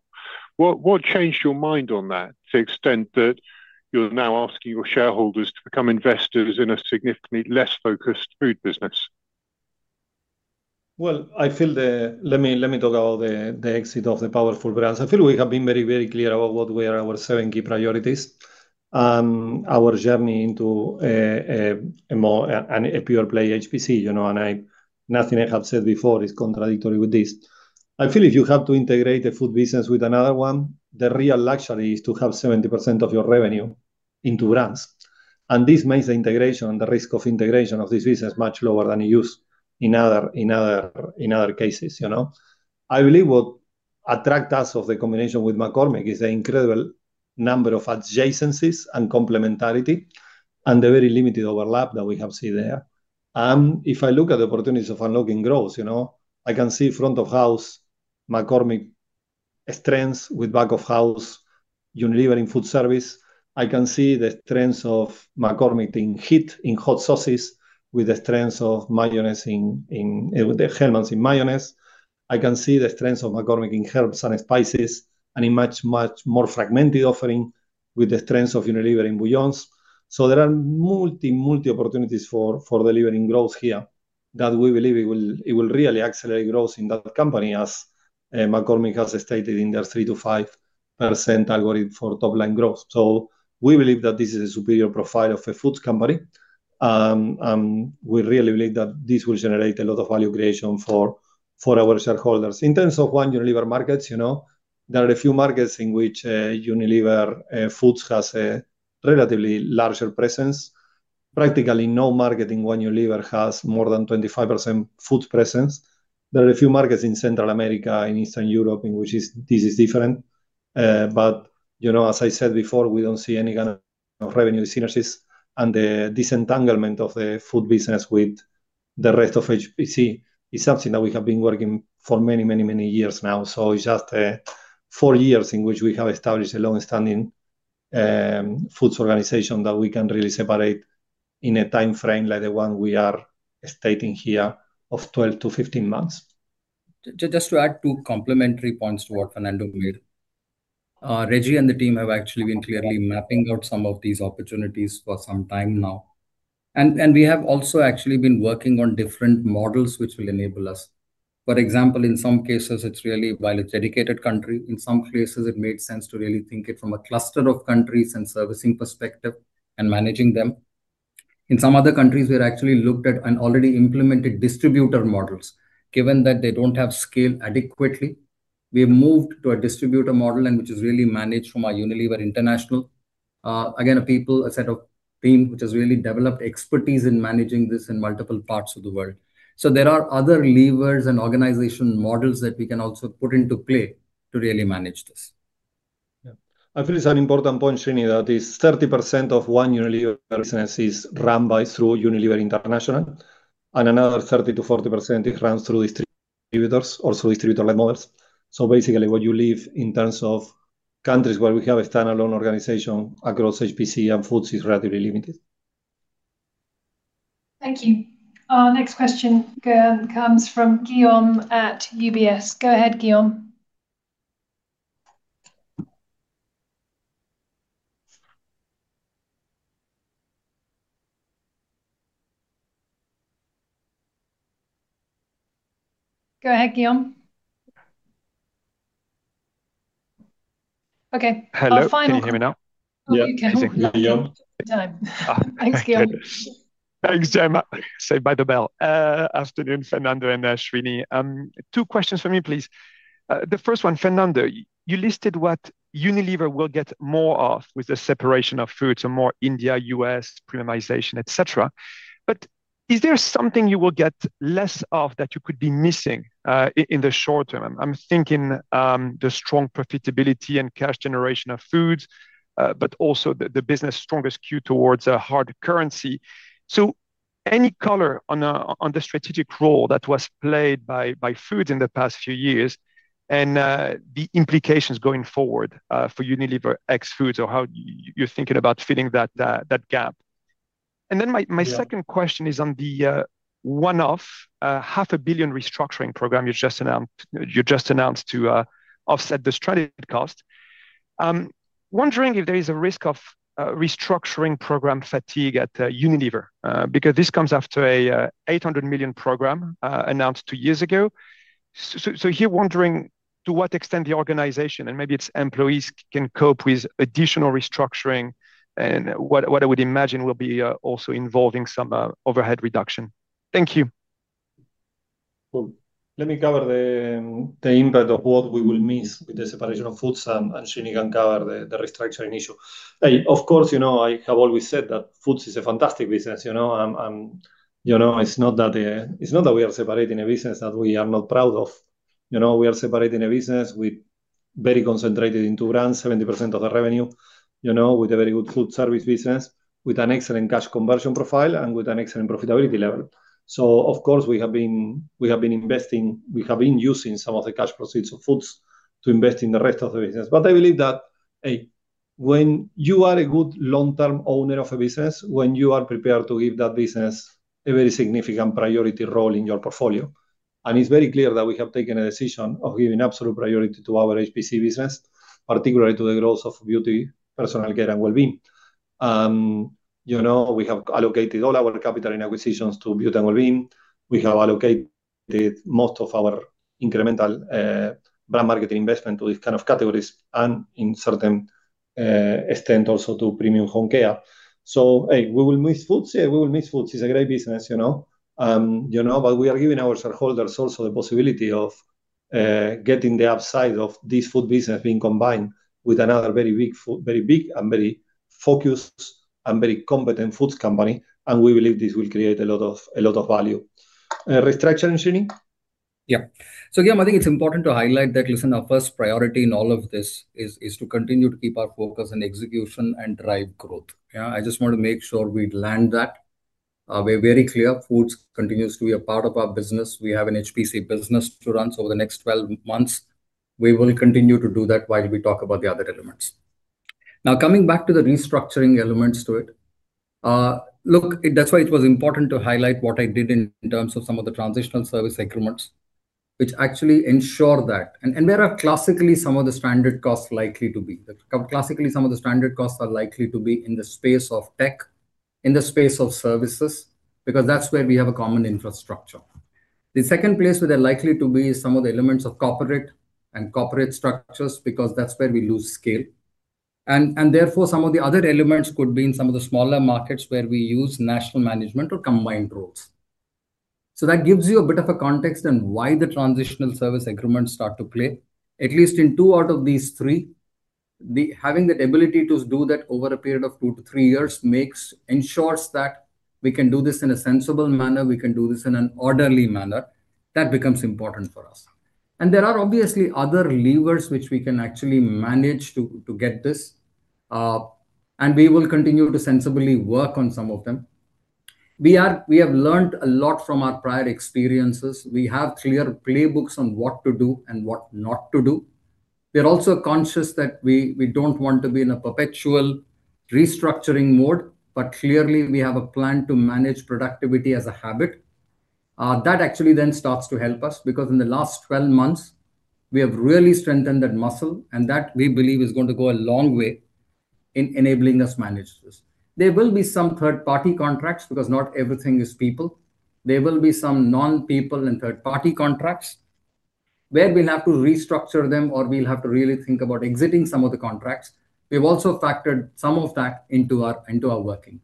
What changed your mind on that to the extent that you're now asking your shareholders to become investors in a significantly less focused food business?
Let me talk about the exit of the powerful brands. I feel we have been very clear about what were our seven key priorities. Our journey into a pure play HPC, and nothing I have said before is contradictory with this. I feel if you have to integrate the food business with another one, the real luxury is to have 70% of your revenue into brands, and this makes the integration, the risk of integration of this business much lower than it is in other cases. I believe what attracts us to the combination with McCormick is the incredible number of adjacencies and complementarity and the very limited overlap that we have seen there. If I look at the opportunities of unlocking growth, you know, I can see front of house McCormick strengths with back of house Unilever in food service. I can see the strengths of McCormick in heat, in hot sauces with the strengths of Hellmann's in mayonnaise. I can see the strengths of McCormick in herbs and spices and in much more fragmented offering with the strengths of Unilever in bouillons. There are multi opportunities for delivering growth here that we believe it will really accelerate growth in that company as McCormick has stated in their 3%-5% algorithm for top line growth. We believe that this is a superior profile of a foods company. We really believe that this will generate a lot of value creation for our shareholders. In terms of One Unilever Markets, you know, there are a few markets in which Unilever Foods has a relatively larger presence. Practically no market in One Unilever has more than 25% foods presence. There are a few markets in Central America, in Eastern Europe in which this is different. But you know, as I said before, we don't see any kind of revenue synergies and the disentanglement of the food business with the rest of HPC is something that we have been working for many years now. It's just four years in which we have established a long-standing foods organization that we can really separate in a timeframe like the one we are stating here of 12-15 months.
Just to add two complementary points to what Fernando made. Reggie and the team have actually been clearly mapping out some of these opportunities for some time now. We have also actually been working on different models which will enable us. For example, in some cases, it's really by a dedicated country. In some cases, it made sense to really think of it from a cluster of countries and servicing perspective and managing them. In some other countries, we had actually looked at and already implemented distributor models, given that they don't have adequate scale. We have moved to a distributor model which is really managed from Unilever International. Again, our people, a set of teams which have really developed expertise in managing this in multiple parts of the world. There are other levers and organization models that we can also put into play to really manage this.
Yeah. I feel it's an important point, Srini, that 30% of One Unilever business is run through Unilever International, and another 30%-40% is run through distributors, also distributor-led models. Basically, what you leave in terms of countries where we have a standalone organization across HPC and Foods is relatively limited.
Thank you. Our next question comes from Guillaume at UBS. Go ahead, Guillaume. Okay. Our final-
Hello. Can you hear me now?
Yeah.
Oh, you can.
Guillaume.
Take your time. Thanks, Guillaume.
Thanks, Jemma. Saved by the bell. Afternoon, Fernando and Srini. Two questions from me, please. The first one, Fernando, you listed what Unilever will get more of with the separation of Foods and more India, U.S. premiumization, et cetera. Is there something you will get less of that you could be missing in the short term? I'm thinking the strong profitability and cash generation of Foods, but also the business's strongest skew towards a hard currency. Any color on the strategic role that was played by Foods in the past few years and the implications going forward for Unilever ex Foods or how you're thinking about filling that gap. My second question is on the one-off 500 million restructuring program you just announced to offset the strategic costs. Wondering if there is a risk of restructuring program fatigue at Unilever, because this comes after a 800 million program announced two years ago. Here wondering to what extent the organization and maybe its employees can cope with additional restructuring and what I would imagine will be also involving some overhead reduction. Thank you.
Well, let me cover the impact of what we will miss with the separation of Foods, and Srini can cover the restructuring issue. Hey, of course, you know, I have always said that Foods is a fantastic business, you know, you know, it's not that we are separating a business that we are not proud of. You know, we are separating a business with very concentrated in two brands, 70% of the revenue, you know, with a very good food service business, with an excellent cash conversion profile and with an excellent profitability level. Of course, we have been investing, we have been using some of the cash proceeds of Foods to invest in the rest of the business. I believe that, when you are a good long-term owner of a business, when you are prepared to give that business a very significant priority role in your portfolio, and it's very clear that we have taken a decision of giving absolute priority to our HPC business, particularly to the growth of beauty, personal care and wellbeing. You know, we have allocated all our capital and acquisitions to beauty and wellbeing. We have allocated most of our incremental brand marketing investment to these kind of categories and in certain extent also to premium home care. We will miss foods? Yeah, we will miss foods. It's a great business, you know. You know, we are giving our shareholders also the possibility of getting the upside of this food business being combined with another very big and very focused and very competent foods company, and we believe this will create a lot of value. Restructure, Srini?
Yeah. Again, I think it's important to highlight that, listen, our first priority in all of this is to continue to keep our focus on execution and drive growth. Yeah. I just want to make sure we land that. We're very clear, foods continues to be a part of our business. We have an HPC business to run over the next 12 months. We will continue to do that while we talk about the other elements. Now, coming back to the restructuring elements to it, look, it. That's why it was important to highlight what I did in terms of some of the transitional service increments, which actually ensure that. And there are classically some of the standard costs likely to be. Classically, some of the standard costs are likely to be in the space of tech, in the space of services, because that's where we have a common infrastructure. The second place where they're likely to be is some of the elements of corporate and corporate structures, because that's where we lose scale. Some of the other elements could be in some of the smaller markets where we use national management or combined roles. That gives you a bit of a context on why the transitional service increments start to play. At least in 2 out of these 3, having the ability to do that over a period of 2-3 years ensures that we can do this in a sensible manner. We can do this in an orderly manner. That becomes important for us. There are obviously other levers which we can actually manage to get this, and we will continue to sensibly work on some of them. We have learned a lot from our prior experiences. We have clear playbooks on what to do and what not to do. We're also conscious that we don't want to be in a perpetual restructuring mode, but clearly we have a plan to manage productivity as a habit. That actually then starts to help us, because in the last 12 months, we have really strengthened that muscle, and that we believe is going to go a long way in enabling us manage this. There will be some third-party contracts because not everything is people. There will be some non-people and third-party contracts where we'll have to restructure them or we'll have to really think about exiting some of the contracts. We've also factored some of that into our working.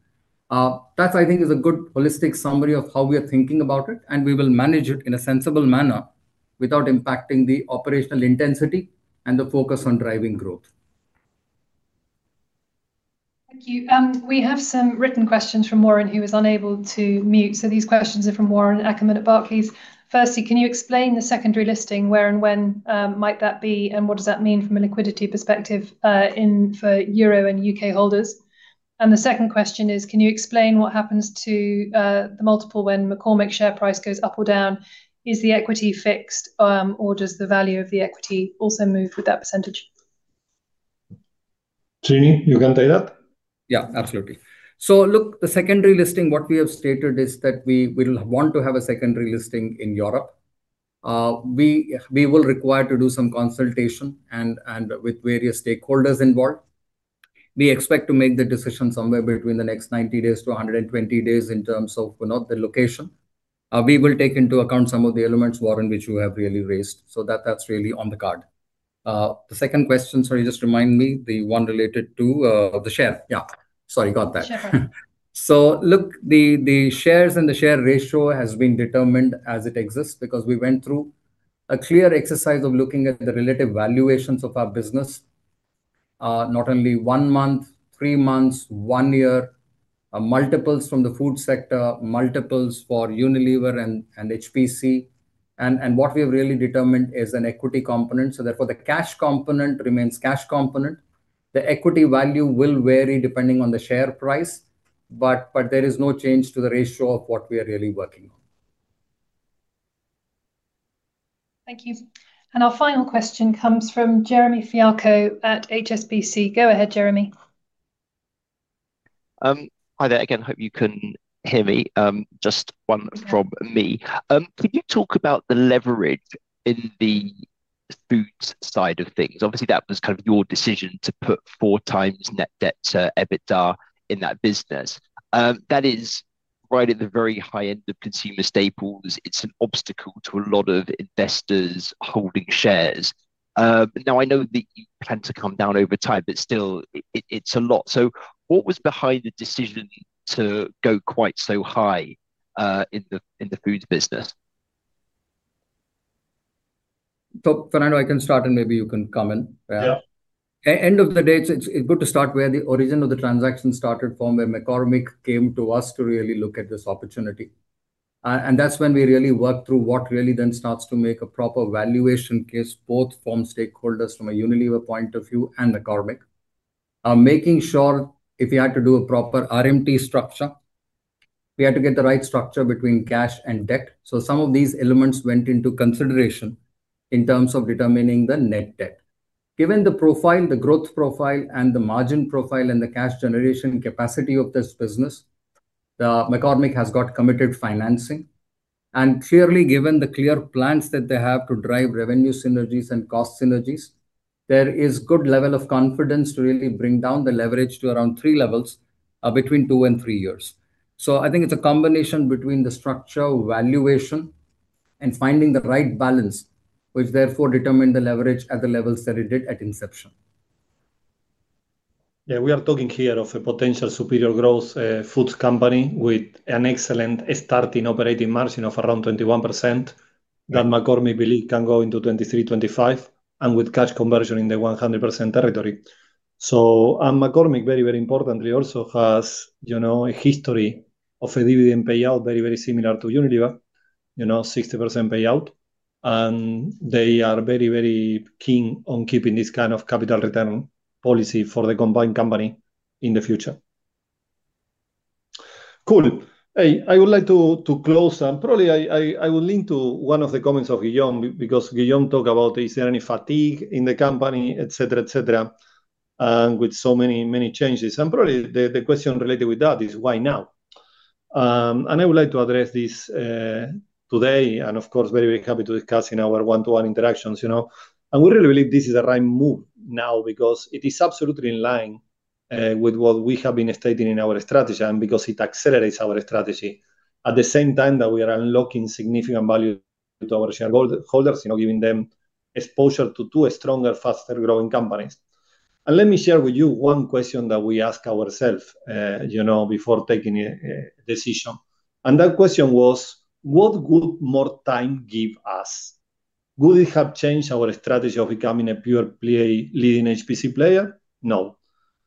That I think is a good holistic summary of how we are thinking about it, and we will manage it in a sensible manner without impacting the operational intensity and the focus on driving growth.
Thank you. We have some written questions from Warren, who was unable to mute. These questions are from Warren Ackerman at Barclays. Firstly, can you explain the secondary listing, where and when might that be, and what does that mean from a liquidity perspective for euro and UK holders? The second question is, can you explain what happens to the multiple when McCormick's share price goes up or down? Is the equity fixed, or does the value of the equity also move with that percentage?
Srini, you can take that.
Yeah, absolutely. Look, the secondary listing, what we have stated is that we will want to have a secondary listing in Europe. We will require to do some consultation and with various stakeholders involved. We expect to make the decision somewhere between the next 90 days to 120 days in terms of, you know, the location. We will take into account some of the elements, Warren, which you have really raised. That, that's really on the card. The second question, sorry, just remind me. The one related to, the share. Yeah. Sorry, got that.
Share.
Look, the shares and the share ratio has been determined as it exists because we went through a clear exercise of looking at the relative valuations of our business, not only one month, three months, one year, multiples from the food sector, multiples for Unilever and HPC. What we've really determined is an equity component. Therefore, the cash component remains cash component. The equity value will vary depending on the share price, but there is no change to the ratio of what we are really working on.
Thank you. Our final question comes from Jeremy Fialko at HSBC. Go ahead, Jeremy.
Hi there again. Hope you can hear me. Just one from me.
Yeah.
Could you talk about the leverage in the foods side of things? Obviously, that was kind of your decision to put 4x net debt to EBITDA in that business. That is right at the very high end of consumer staples. It's an obstacle to a lot of investors holding shares. Now I know that you plan to come down over time, but still it's a lot. What was behind the decision to go quite so high in the foods business?
Fernando, I can start and maybe you can come in.
Yeah.
At end of the day, it's good to start where the origin of the transaction started from, where McCormick came to us to really look at this opportunity. That's when we really worked through what really then starts to make a proper valuation case, both from stakeholders from a Unilever point of view and McCormick are making sure if we had to do a proper RMT structure, we had to get the right structure between cash and debt. Some of these elements went into consideration in terms of determining the net debt. Given the profile, the growth profile, and the margin profile, and the cash generation capacity of this business, McCormick has got committed financing. Clearly, given the clear plans that they have to drive revenue synergies and cost synergies, there is good level of confidence to really bring down the leverage to around three levels, between two and three years. I think it's a combination between the structure valuation and finding the right balance, which therefore determine the leverage at the levels that it did at inception.
Yeah, we are talking here of a potential superior growth foods company with an excellent starting operating margin of around 21% that McCormick believe can go into 23%, 25%, and with cash conversion in the 100% territory. McCormick very importantly also has, you know, a history of a dividend payout very similar to Unilever, you know, 60% payout. They are very keen on keeping this kind of capital return policy for the combined company in the future. Cool. I would like to close, and probably I will link to one of the comments of Guillaume because Guillaume talk about is there any fatigue in the company, et cetera, et cetera, and with so many changes. Probably the question related with that is why now? I would like to address this today and, of course, very, very happy to discuss in our one-to-one interactions, you know. We really believe this is the right move now because it is absolutely in line with what we have been stating in our strategy and because it accelerates our strategy. At the same time that we are unlocking significant value to our shareholders, you know, giving them exposure to two stronger, faster growing companies. Let me share with you one question that we ask ourselves, you know, before taking a decision. That question was, what would more time give us? Would it have changed our strategy of becoming a pure play leading HPC player? No.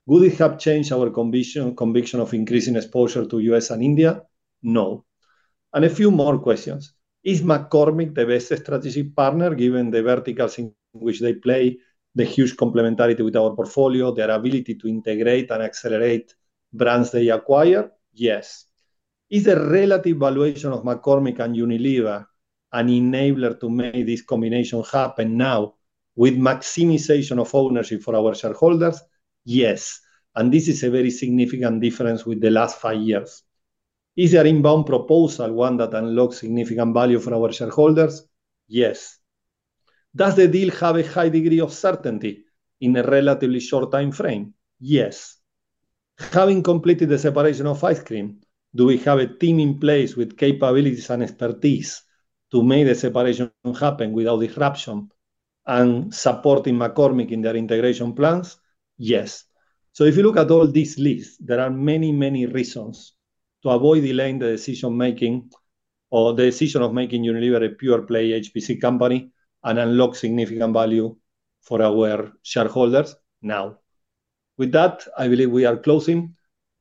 Would it have changed our conviction of increasing exposure to U.S. and India? No. A few more questions. Is McCormick the best strategic partner given the verticals in which they play, the huge complementarity with our portfolio, their ability to integrate and accelerate brands they acquire? Yes. Is the relative valuation of McCormick and Unilever an enabler to make this combination happen now with maximization of ownership for our shareholders? Yes. This is a very significant difference with the last five years. Is their inbound proposal one that unlocks significant value for our shareholders? Yes. Does the deal have a high degree of certainty in a relatively short time frame? Yes. Having completed the separation of Ice Cream, do we have a team in place with capabilities and expertise to make the separation happen without disruption and supporting McCormick in their integration plans? Yes. If you look at all these lists, there are many, many reasons to avoid delaying the decision-making or the decision of making Unilever a pure play HPC company and unlock significant value for our shareholders now. With that, I believe we are closing.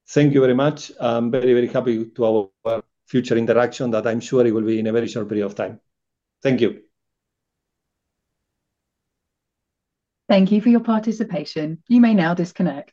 Thank you very much. I'm very, very happy for our future interaction that I'm sure it will be in a very short period of time. Thank you.
Thank you for your participation. You may now disconnect.